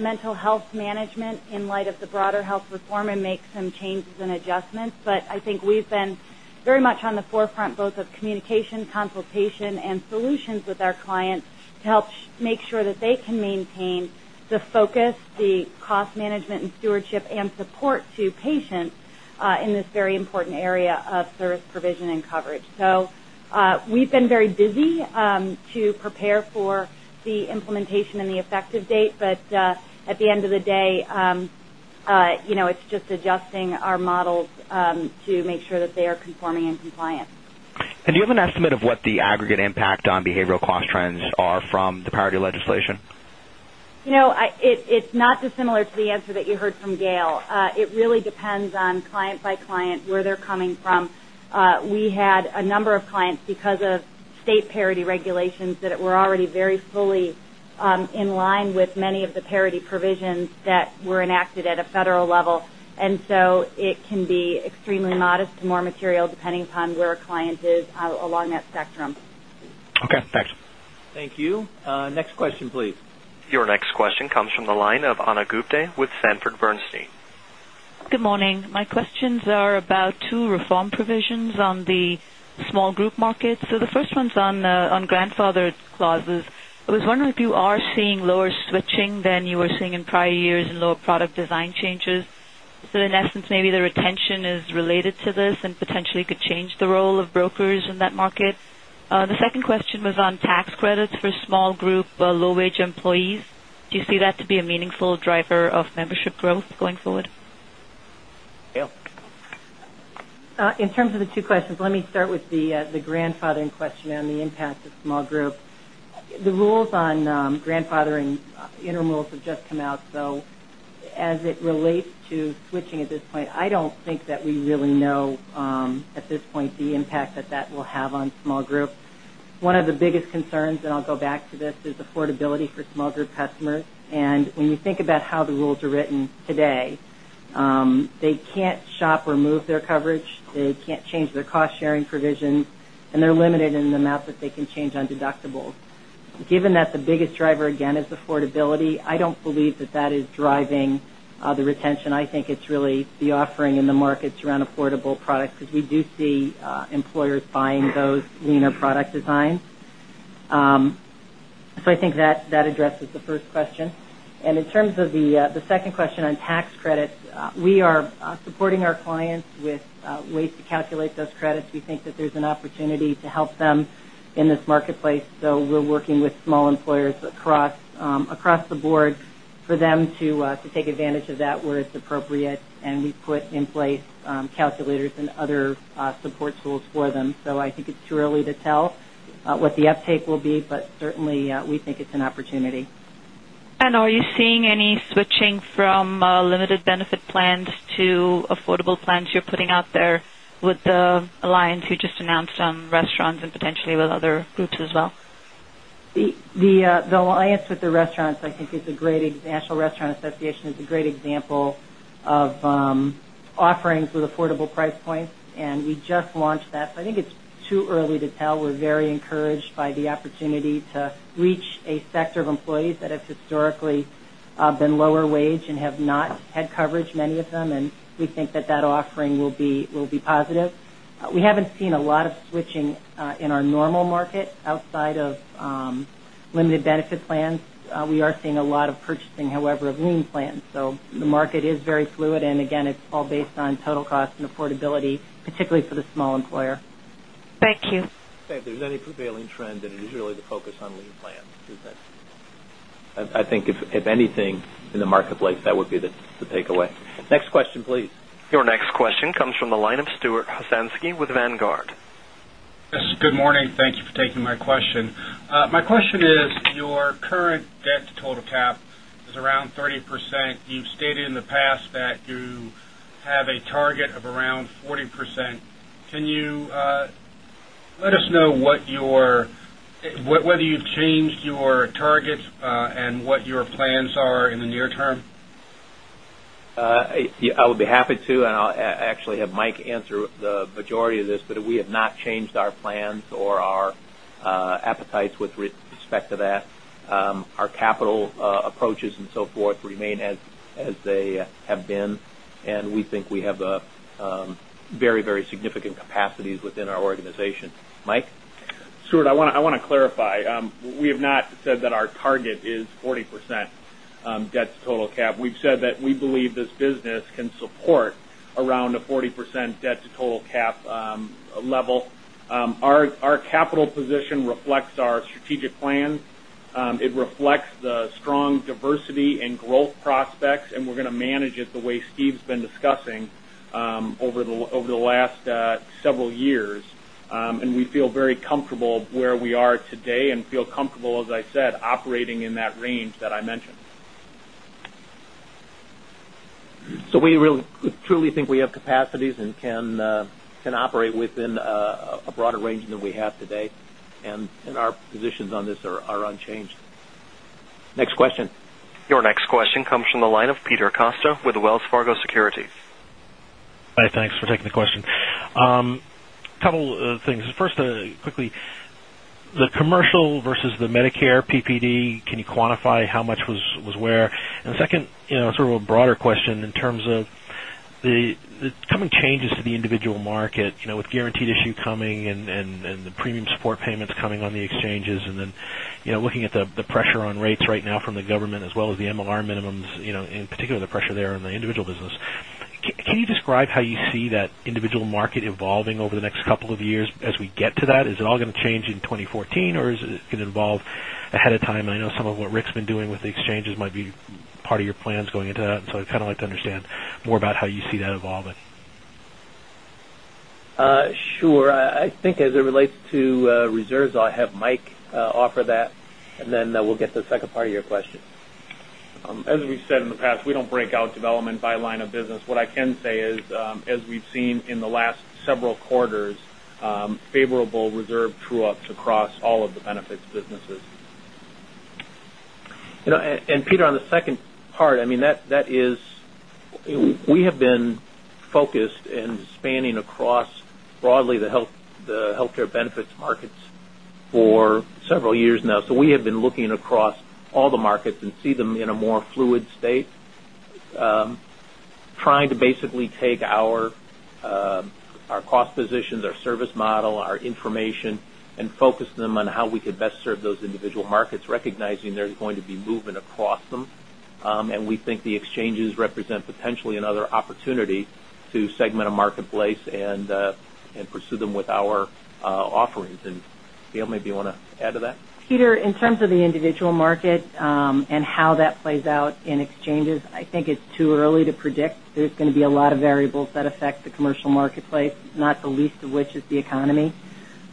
mental health management in light of the broader health reform and make some changes and adjustments. But I think we've been very much on the forefront both of communication, consultation and solutions with our clients to help make sure that they can maintain the focus, the cost management and stewardship and support to patients in this very important area of service provision and coverage. So we've been very busy to prepare for the implementation and the effective date. But at the end of the day, it's just adjusting our models to make sure that they are conforming and compliant. And do you have an estimate of what the aggregate impact on behavior It really depends on client by client, where they're coming from. We had a number of clients because of state parity regulations that were already very fully, in line with many of the parity provisions that were enacted at a federal level. And so it be extremely modest to more material depending upon where a client is along that spectrum. Okay. Thanks. Thank you. Next question, please. Your next question comes from the line of Ana Gupte with Sanford Bernstein. Good morning. My questions are about 2 reform provisions on the small group markets. So the first one is on grandfather clauses. I was wondering if you are seeing lower switching the role of brokers in that market? The second question was on tax credits for small group low wage employees. Do you see that to be a meaningful driver of membership growth going forward? Dale? In terms of the two questions, let me start with the grandfathering question on the impact of small group. The rules on grandfathering intermills have just come out. So it relates to switching at this point, I don't think that we really know at this point the impact that that will have on small group. One of the biggest concerns and I'll go back to this is affordability for small group customers. And when you think about how the rules are written today, they can't shop or move their coverage. They can't change their cost sharing provisions. And they're limited in the amount that they can change on deductibles. Given that the biggest driver again is affordability, I don't believe that that is driving the retention. I think it's really the offering in the markets around affordable products because we do see employers buying those leaner product designs. So I think that addresses the first question. And in terms of the second question on tax credits, we are supporting our clients with ways to calculate those credits. We think that there's an opportunity to help them in this marketplace. So we're working with small employers across the board for them to take advantage of that where it's appropriate and we put in place calculators and other support for them. So I think it's too early to tell what the uptake will be, but certainly we think it's an opportunity. And are you seeing any switching from limited benefit plans to affordable plans you're putting out there with the alliance you just announced on restaurants and potentially with other groups as well? The alliance with the restaurants I think is a great National Restaurant Association is a great example of offerings with affordable price points and we just launched that. So I think it's too early to tell. We're very encouraged by the opportunity to reach a them and we think that that offering will be positive. We haven't seen a lot of switching in our normal market outside of limited benefit plans. We are seeing a lot of purchasing however of lien plans. So the market is very fluid and again it's all based on total cost and affordability particularly for the small employer. Thank you. If there's any prevailing trend, then it is really the focus on lean plan. I think if anything in the marketplace that would be the takeaway. Next question please. Your next question comes from the line of Stuart Husansky with Vanguard. Yes. Good morning. Thank you for taking my question. My question is your current debt to total cap is around 30%. You've stated the past that you have a target of around 40%. Can you let us know what your whether you've changed your targets and what your plans are in the near term? I would be happy respect with respect to that. Our capital approaches and so forth remain as they have been. And we think we have very, very significant capacities within our organization. Mike? Stuart, I want to clarify. We have not said that our target is 40 percent debt to total cap. We've said that we believe this business can support around a 40% debt to total cap level. Our capital position reflects our strategic plan. It reflects the strong diversity and growth prospects and we're going to manage it the way Steve has been discussing over the last several years. And we feel very comfortable where we are today and feel comfortable, as I said, operating in that range that I mentioned. So we truly think we have capacities and can operate within a broader range than we have today and our positions on this are unchanged. Next question? Your next question comes from the line of Peter Costa with Wells Fargo Securities. Hi, thanks for taking the question. Couple of things. First, quickly, the commercial versus the Medicare PPD, can you quantify how much was where? And second, sort of a broader question in terms of the coming changes to the individual market with guaranteed issue coming and the premium support payments coming on the exchanges and then looking at the pressure on rates right now from the government individual business. Can you describe how you see that individual market evolving over the next couple of years as we get to that? Is it all going to change in 2014 or is it going to involve ahead of time? I know some of what been doing with the exchanges might be part of your plans going into that. So I'd kind of like to understand more about how you see that evolving. Sure. I think as it relates to reserves, I'll have Mike offer that and then we'll get to the second part of your question. As we've said in the past, we don't break out development by line of business. What I can say is, as we've seen in the last several quarters, favorable reserve true ups across all of the benefits businesses. Mean, that is we have been focused and spanning across broadly the healthcare benefits markets for several years now. So we have been looking across all the markets and see them in a trying to basically take our cost positions, our service model, our information and focus them on how we could best serve those individual markets recognizing there's going to be movement across them. And we think the exchanges represent potentially another opportunity to segment a marketplace and pursue them with our offerings. And Dale, maybe you want to add to that? Peter, in terms of the individual market and how that plays out in exchanges, I think too early to predict. There's going to be a lot of variables that affect the commercial marketplace, not the least of which is the economy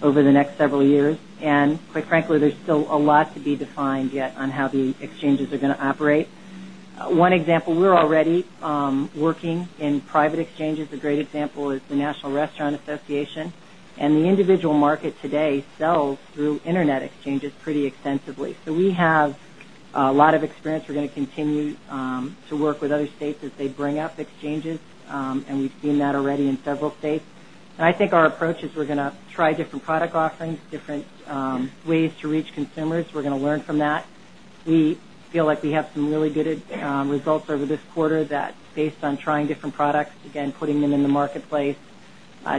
over the next several years. And quite frankly, there's still a lot to be defined yet on how the exchanges are going to operate. One example, we're already working in private exchanges. A great example is the National Restaurant Association. And the individual market today sells through Internet exchanges pretty extensively. So we have a lot of experience. We're going to continue to work with other states as they bring up exchanges and we've seen that already in several states. And I think our approach is we're going to try different product offerings, different ways to reach consumers. We're going to learn from that. We feel like we have some really good results over this quarter that based on trying different products, again putting them in the marketplace,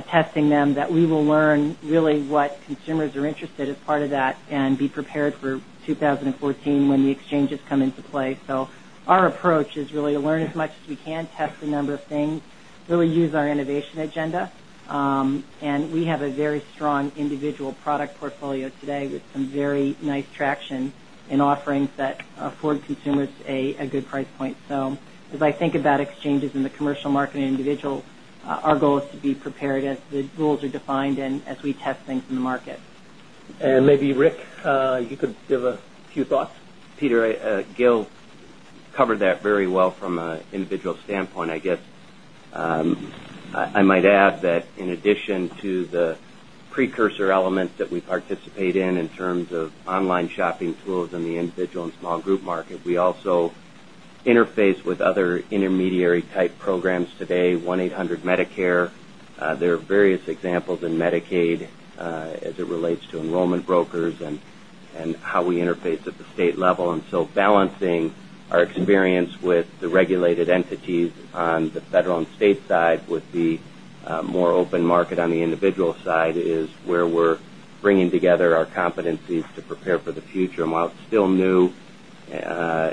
testing them that we will learn really what consumers are interested as part of that and be prepared for 2014 when the exchanges come into play. So our approach is really to learn as much as we can test a number of things really use our innovation agenda. And we have a very strong individual product portfolio today with some very nice traction in offerings that consumers a good price point. So as I think about exchanges in the commercial market and individual, our goal is to be prepared as the rules are defined and as we test things in the market. And maybe Rick, you could give a few thoughts. Peter, Gil covered that very well from an individual standpoint. I guess, I might add that in addition to the precursor elements that we participate in, in terms of online shopping tools in the individual and small group market. We also interface with other intermediary type programs today, 1800 Medicare. There are various examples in Medicaid as it relates to enrollment brokers and how we interface at the state level. And so balancing our experience with the regulated entities on the federal and state side with the more open market on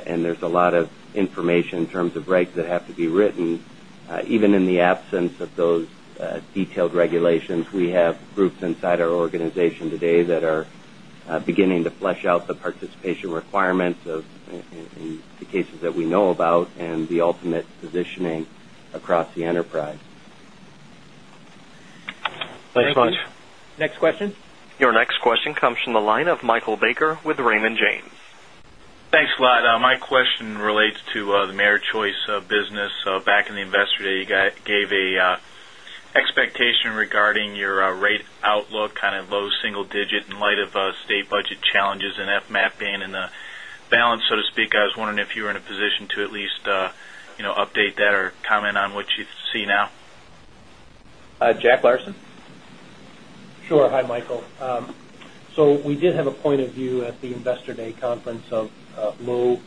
and there's a lot of information in terms of regs that have to be written, and there's a lot of information in terms of regs that have to be written, even in the absence of those detailed regulations, we have groups inside our organization today that are beginning to flesh out the participation requirements of the cases that we know about and the ultimate positioning across the enterprise. Thanks so much. Thanks. Your next question comes from the line of Michael Baker with Raymond James. Thanks a lot. My question relates to the MeritChoice business. So back in the Investor Day, you gave an expectation regarding your rate outlook kind of low single digit in light of state budget challenges and FMAP being in the Jack Larson? Jack Larson? Sure. Hi, Michael. So we did have a point of view at the Investor Day conference of low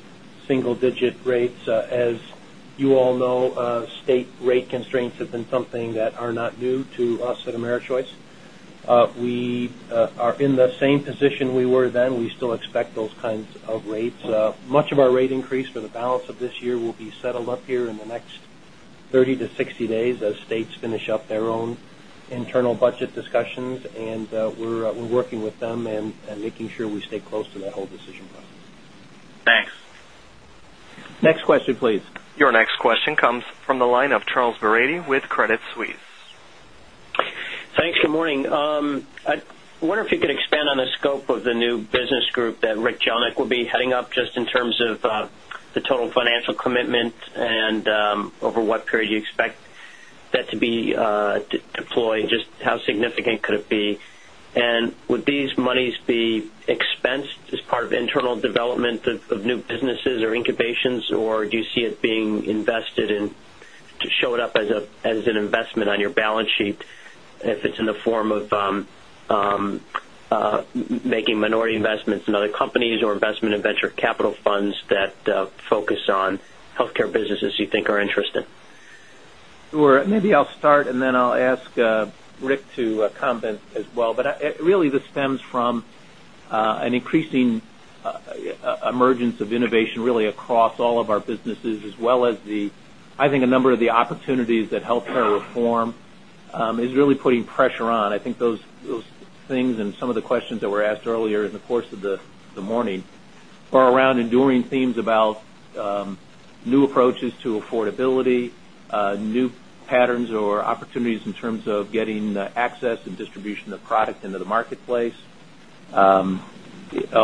single digit rates. As you all know, state rate constraints have been something that are not new to us at AmeriChoice. We are in the same position we were then. We still expect those kinds of rates. Much of our rate increase for the balance of this year will be settled up here in the next 30 to 60 days as states finish up their own internal budget discussions and we're working with them and making sure we stay close to that whole decision process. Thanks. Next question please. Your next question comes from the line of Charles Barady with Credit Suisse. Thanks. Good morning. I wonder if you could expand on the scope of the new business group that Rick Jelnik will be heading up just in terms of the total financial commitment and over what period you expect that to be deployed? Just how significant could it be? And would these monies be expensed as part of internal development of new businesses or incubations? Or do you see it being invested in to show it up as an investment on your balance sheet if it's in the form of making minority investments in other companies or investment in venture capital funds that focus on health care businesses you think are interested? Sure. Maybe I'll start and then I'll ask Rick to comment as well. But really this stems from an increasing emergence of innovation really across all of our businesses as well as the I think a number of the opportunities that healthcare reform is really putting pressure on. I think those things and some of the questions that were asked earlier in the course of the morning are around enduring themes about new approaches to affordability, new patterns or opportunities in terms of getting access and distribution of product into the marketplace, a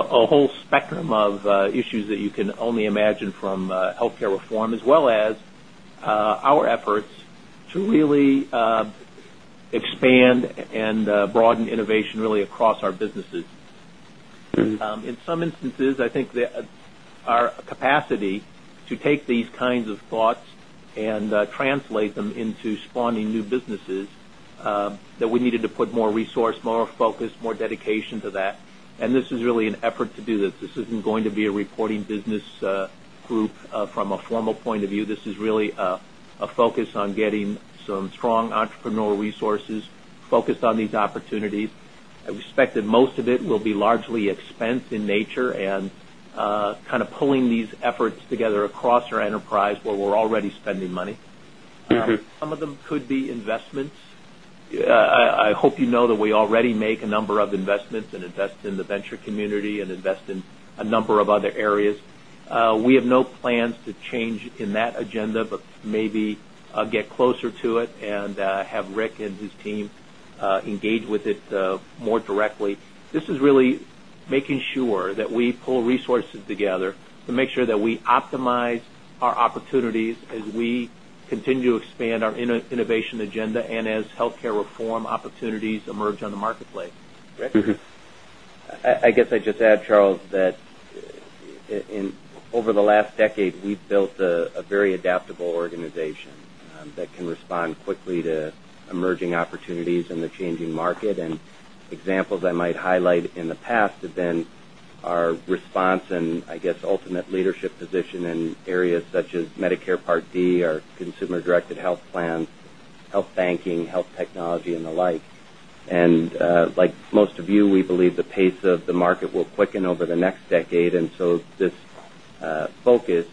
whole spectrum of issues that you can only imagine from healthcare reform as well as our efforts to really expand and broaden innovation really across our businesses. In some instances, I think our capacity to take these kinds of thoughts and translate them into spawning new businesses that we needed to put more resource, more focus, more dedication to that. And this is really an effort to do this. This isn't going to be a reporting business group from a formal point of view. This is really on getting some strong entrepreneurial resources focused on these opportunities. I've expected most of it will be largely expense in nature and kind of pulling these efforts together across our enterprise where we're already spending money. Some of them could be investments. I hope you know that we already make a number of investments and invest in the venture community and invest in a number of other areas. We have no plans to change in that agenda, but maybe get closer to it and have Rick and his team engage with it more directly. This is really making sure that we pull resources together to make sure that we optimize our opportunities as we continue to expand innovation agenda and as healthcare reform opportunities emerge on the marketplace. I guess I'd just add Charles that over the last decade, we've built a very adaptable organization that can respond quickly to emerging opportunities in the changing market. And examples I might highlight in the past have been our response and I guess ultimate leadership position in areas such as Medicare Part D or consumer directed health plans, health banking, health technology and the like. And like most of you, we believe the pace of the market will quicken over the next decade. And so this focus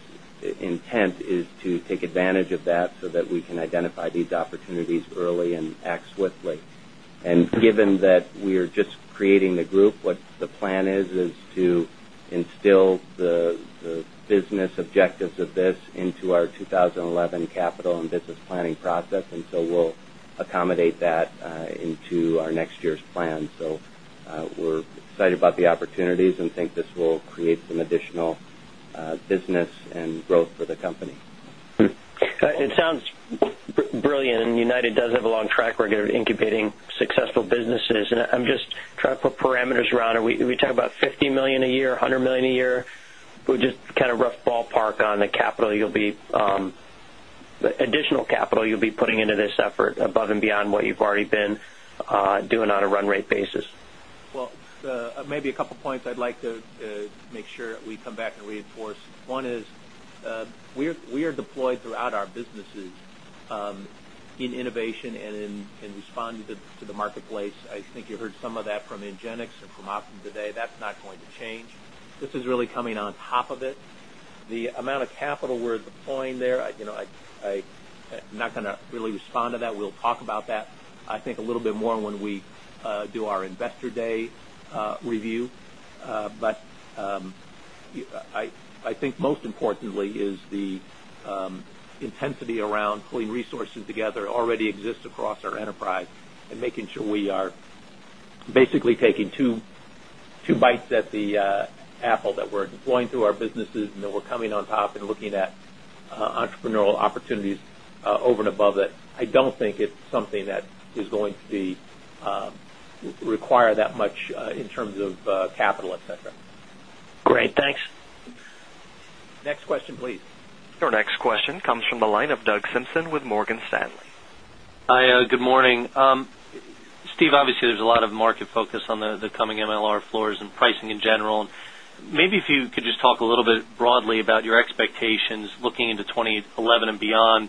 intent is to take advantage of that so that we can identify these opportunities early and act swiftly. And given that we are just creating the group, what the plan is, is to instill the business objectives of this into our 2011 capital and business planning process. And so we'll accommodate that into our next year's plan. So we're excited about the opportunities and think this will create some additional business and growth for the company. It sounds brilliant and United does have a long track record of incubating successful businesses. And I'm just trying to put parameters around it. We talk about $50,000,000 a year, dollars 100,000,000 a year, but just kind of rough ballpark on the capital you'll be additional capital you'll be putting into this effort above and beyond what you've already been doing on a run rate basis. Well, maybe a couple of points I'd like to make sure that we come back and reinforce. One is, we are deployed throughout our businesses in innovation and in responding to the marketplace. I think you heard some that from Ingenix and from Optum today. That's not going to change. This is really coming on top of it. The amount of capital we're deploying there, I am not going to really respond to that. We'll talk about that I think a little bit more when we do our Investor Day review. But I think most importantly is the intensity around pulling resources together already exists across our enterprise and making sure we are basically taking 2 bites at the entrepreneurial opportunities over and above it. I don't think it's something that is going to be require that much in terms of capital, etcetera. Your next question comes from the line of Doug Simpson with Morgan Stanley. Steve, obviously, there's a lot of market focus on the coming MLR floors and pricing in general. Maybe if you could just talk a little bit broadly about your expectations looking into 2011 and beyond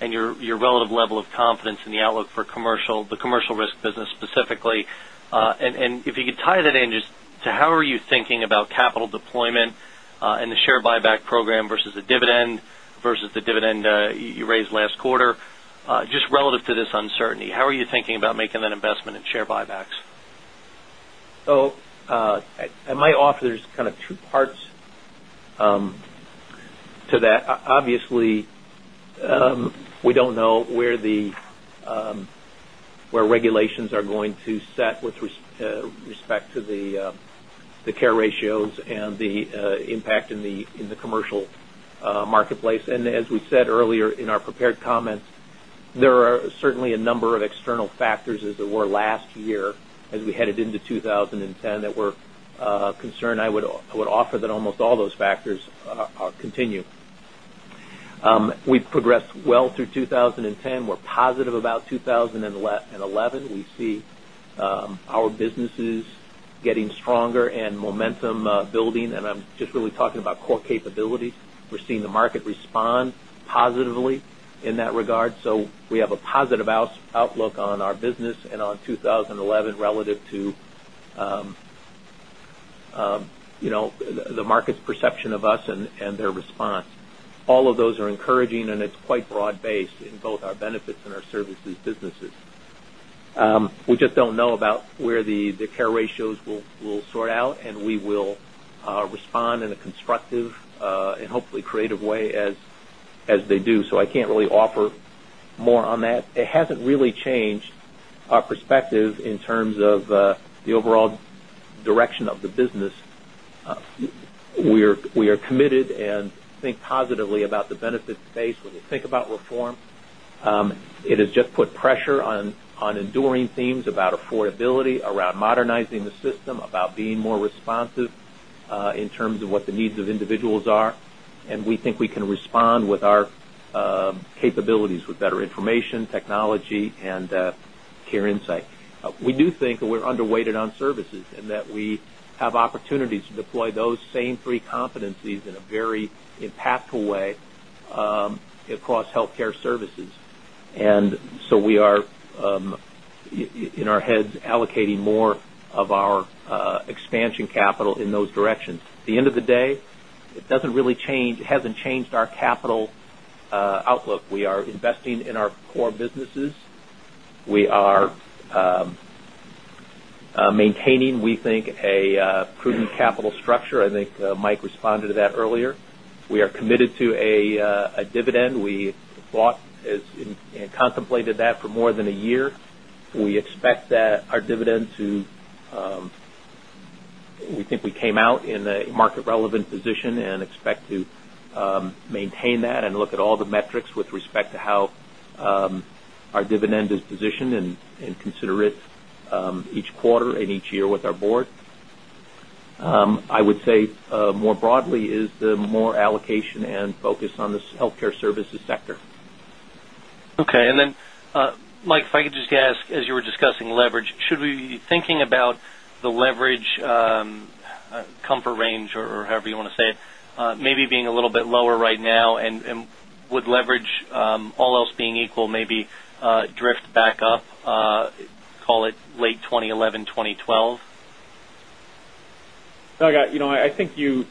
and your relative level of confidence in the outlook for commercial, the commercial risk business specifically. And if you could tie that in just to how are you thinking about capital deployment and the share buyback program versus the dividend versus the dividend you raised last quarter, just relative to this uncertainty, how are you thinking about making that investment in share buybacks? So, I might offer there's kind of 2 parts to that. Obviously, we don't know where the where regulations are going to set with respect to the care ratios and the impact in the commercial marketplace. And as we said earlier in our prepared comments, there are certainly a number of external factors as there were last year as we headed into 2010 that we're concerned. I would offer that almost all those factors continue. We've progressed well through positively in that regard. So we have a positive outlook on our business and on 2011 relative to the market's perception of us and their response. All of those are encouraging and it's quite broad based in both our benefits and our services businesses. We just don't know about where the care ratios will sort out and we will respond in a constructive and hopefully creative way as they do. So I can't really offer more on that. It hasn't really changed our perspective in terms of the overall direction of the business. We are committed and think positively about the benefits base of what the needs of individuals are. And we think we can respond with our capabilities with better information, technology and care insight. We do think that we're underweighted on services and that we have opportunities to deploy those same 3 competencies in a very impactful way across healthcare services. And so we are in our heads allocating more of our expansion capital in those directions. At the end of the day, it doesn't really it hasn't changed our capital outlook. We are investing in our core businesses. We are maintaining, we think, a prudent capital structure. I think Mike responded to that earlier. We are committed and contemplated that for more than a year. We expect that our dividend to we think we came out in a market relevant position and expect to maintain that and look at all the metrics with respect to how our dividend is positioned and consider it each quarter and each year with our Board. I would say more broadly is the more allocation and focus on the healthcare services sector. Okay. And then, Mike, if I could just ask, as you're discussing leverage, should we be thinking about the leverage comfort range or however you want to say it, maybe being a little bit lower right now? And would leverage, all else being equal, maybe drift back up, it late 2011, 2012? I think you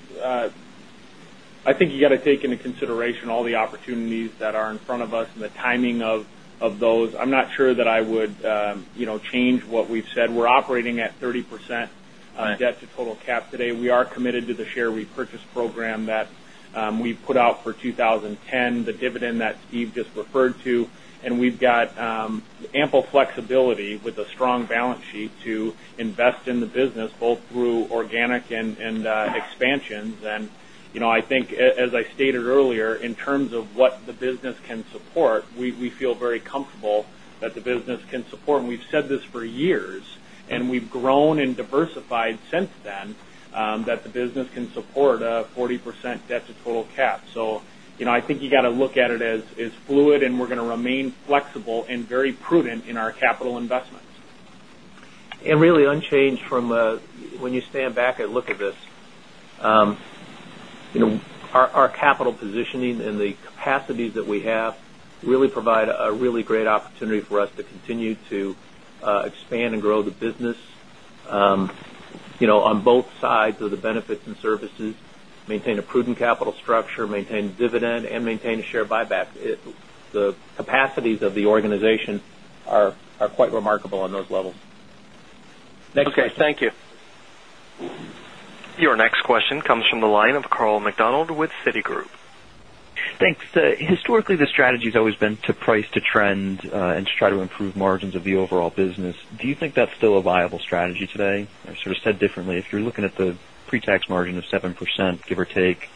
got to take into consideration all the opportunities that are in front of us and the timing of those. I'm not sure that I would change what we've said. We're operating at 30% debt to total cap today. We are committed to the share repurchase program that we put out for 20.10, the dividend that Steve just referred to, and we've got ample flexibility with a strong balance sheet to invest in the business both through organic and expansions. And I think as I stated earlier, in terms of what the business can support, we feel very comfortable that the business can support. And we've said this for years and we've grown and diversified since then, that the business can support 40% debt to total cap. So I think you got to look at it as fluid and we're going to remain flexible and very prudent in our capital investments. And really unchanged from when you stand back and look at this, our capital positioning and the capacities that we have really provide a really great opportunity for us to continue to expand and grow the business on both sides of the benefits and services, maintain a prudent capital structure, maintain dividend and Your next question comes from the line of Carl McDonald with Citigroup. Thanks. Historically, the strategy has always been to price to trend and to try to improve margins of the overall business. Do you think that's still a viable strategy today? Sort of said differently, if you're looking at the pretax margin of 7%, give or take,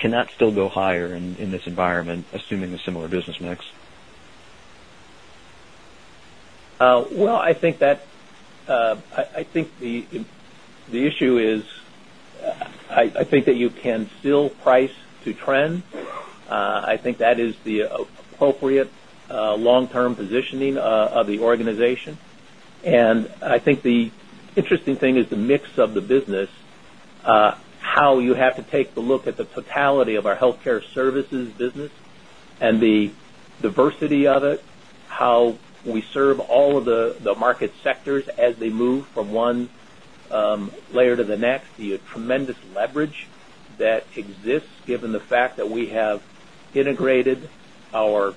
can that still go higher in this environment assuming a similar business mix? Well, I think that I think the issue is I think that you can still price to trend. I think that is the appropriate long term positioning of the organization. And I think the interesting thing is the mix of the business, how you have to take the look at the totality of our Healthcare Services business and the diversity of it, how we serve all of the market sectors as they move from one layer to the next, the tremendous leverage that exists given the fact that we have integrated our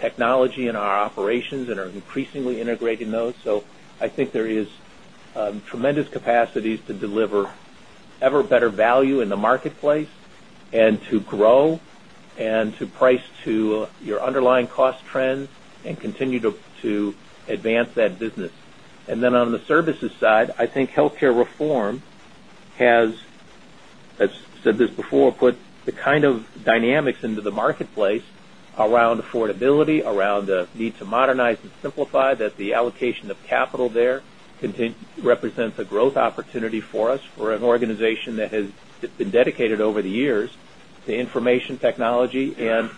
technology and our operations and are increasingly integrating those. So I think there is tremendous capacities to deliver ever better value in the marketplace and to grow and to price to your underlying cost trends and continue to advance that business. And then on the services side, I think health care reform has I've said this before, put the kind of dynamics into the marketplace around affordability, around the need to modernize and simplify that the allocation of capital there represents a growth opportunity for us for an organization that has been dedicated over the years to information technology and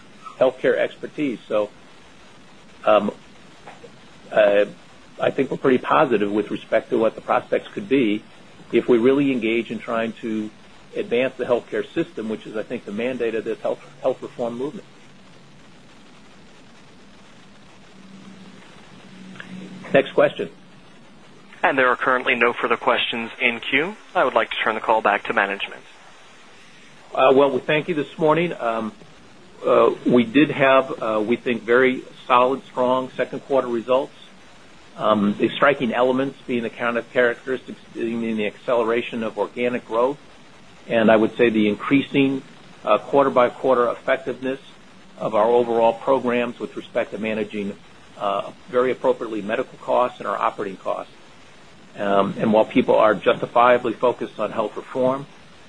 care expertise. So I think we're pretty positive with respect to what the prospects could be if we really engage in trying to advance the healthcare system, which is I think the mandate of this health reform movement. Next question. And there are currently no further questions in queue. I would like to turn the call back to management. Well, we thank you this morning. We did have, we think, very solid strong second quarter results. The striking elements being the kind of characteristics in the acceleration of organic growth and I would say the increasing quarter by quarter effectiveness of our overall programs with respect to managing very appropriately medical costs and our operating costs. And while people are justifiably focused on health reform,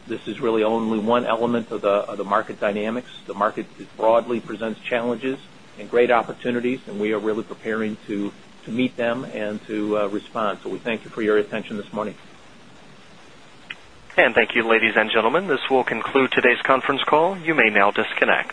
this is really only one element of the market dynamics. The market broadly presents challenges and great opportunities and we are really preparing to meet them and to respond. So we thank you for your attention this morning. And thank you, ladies and gentlemen. This will conclude today's conference call. You may now disconnect.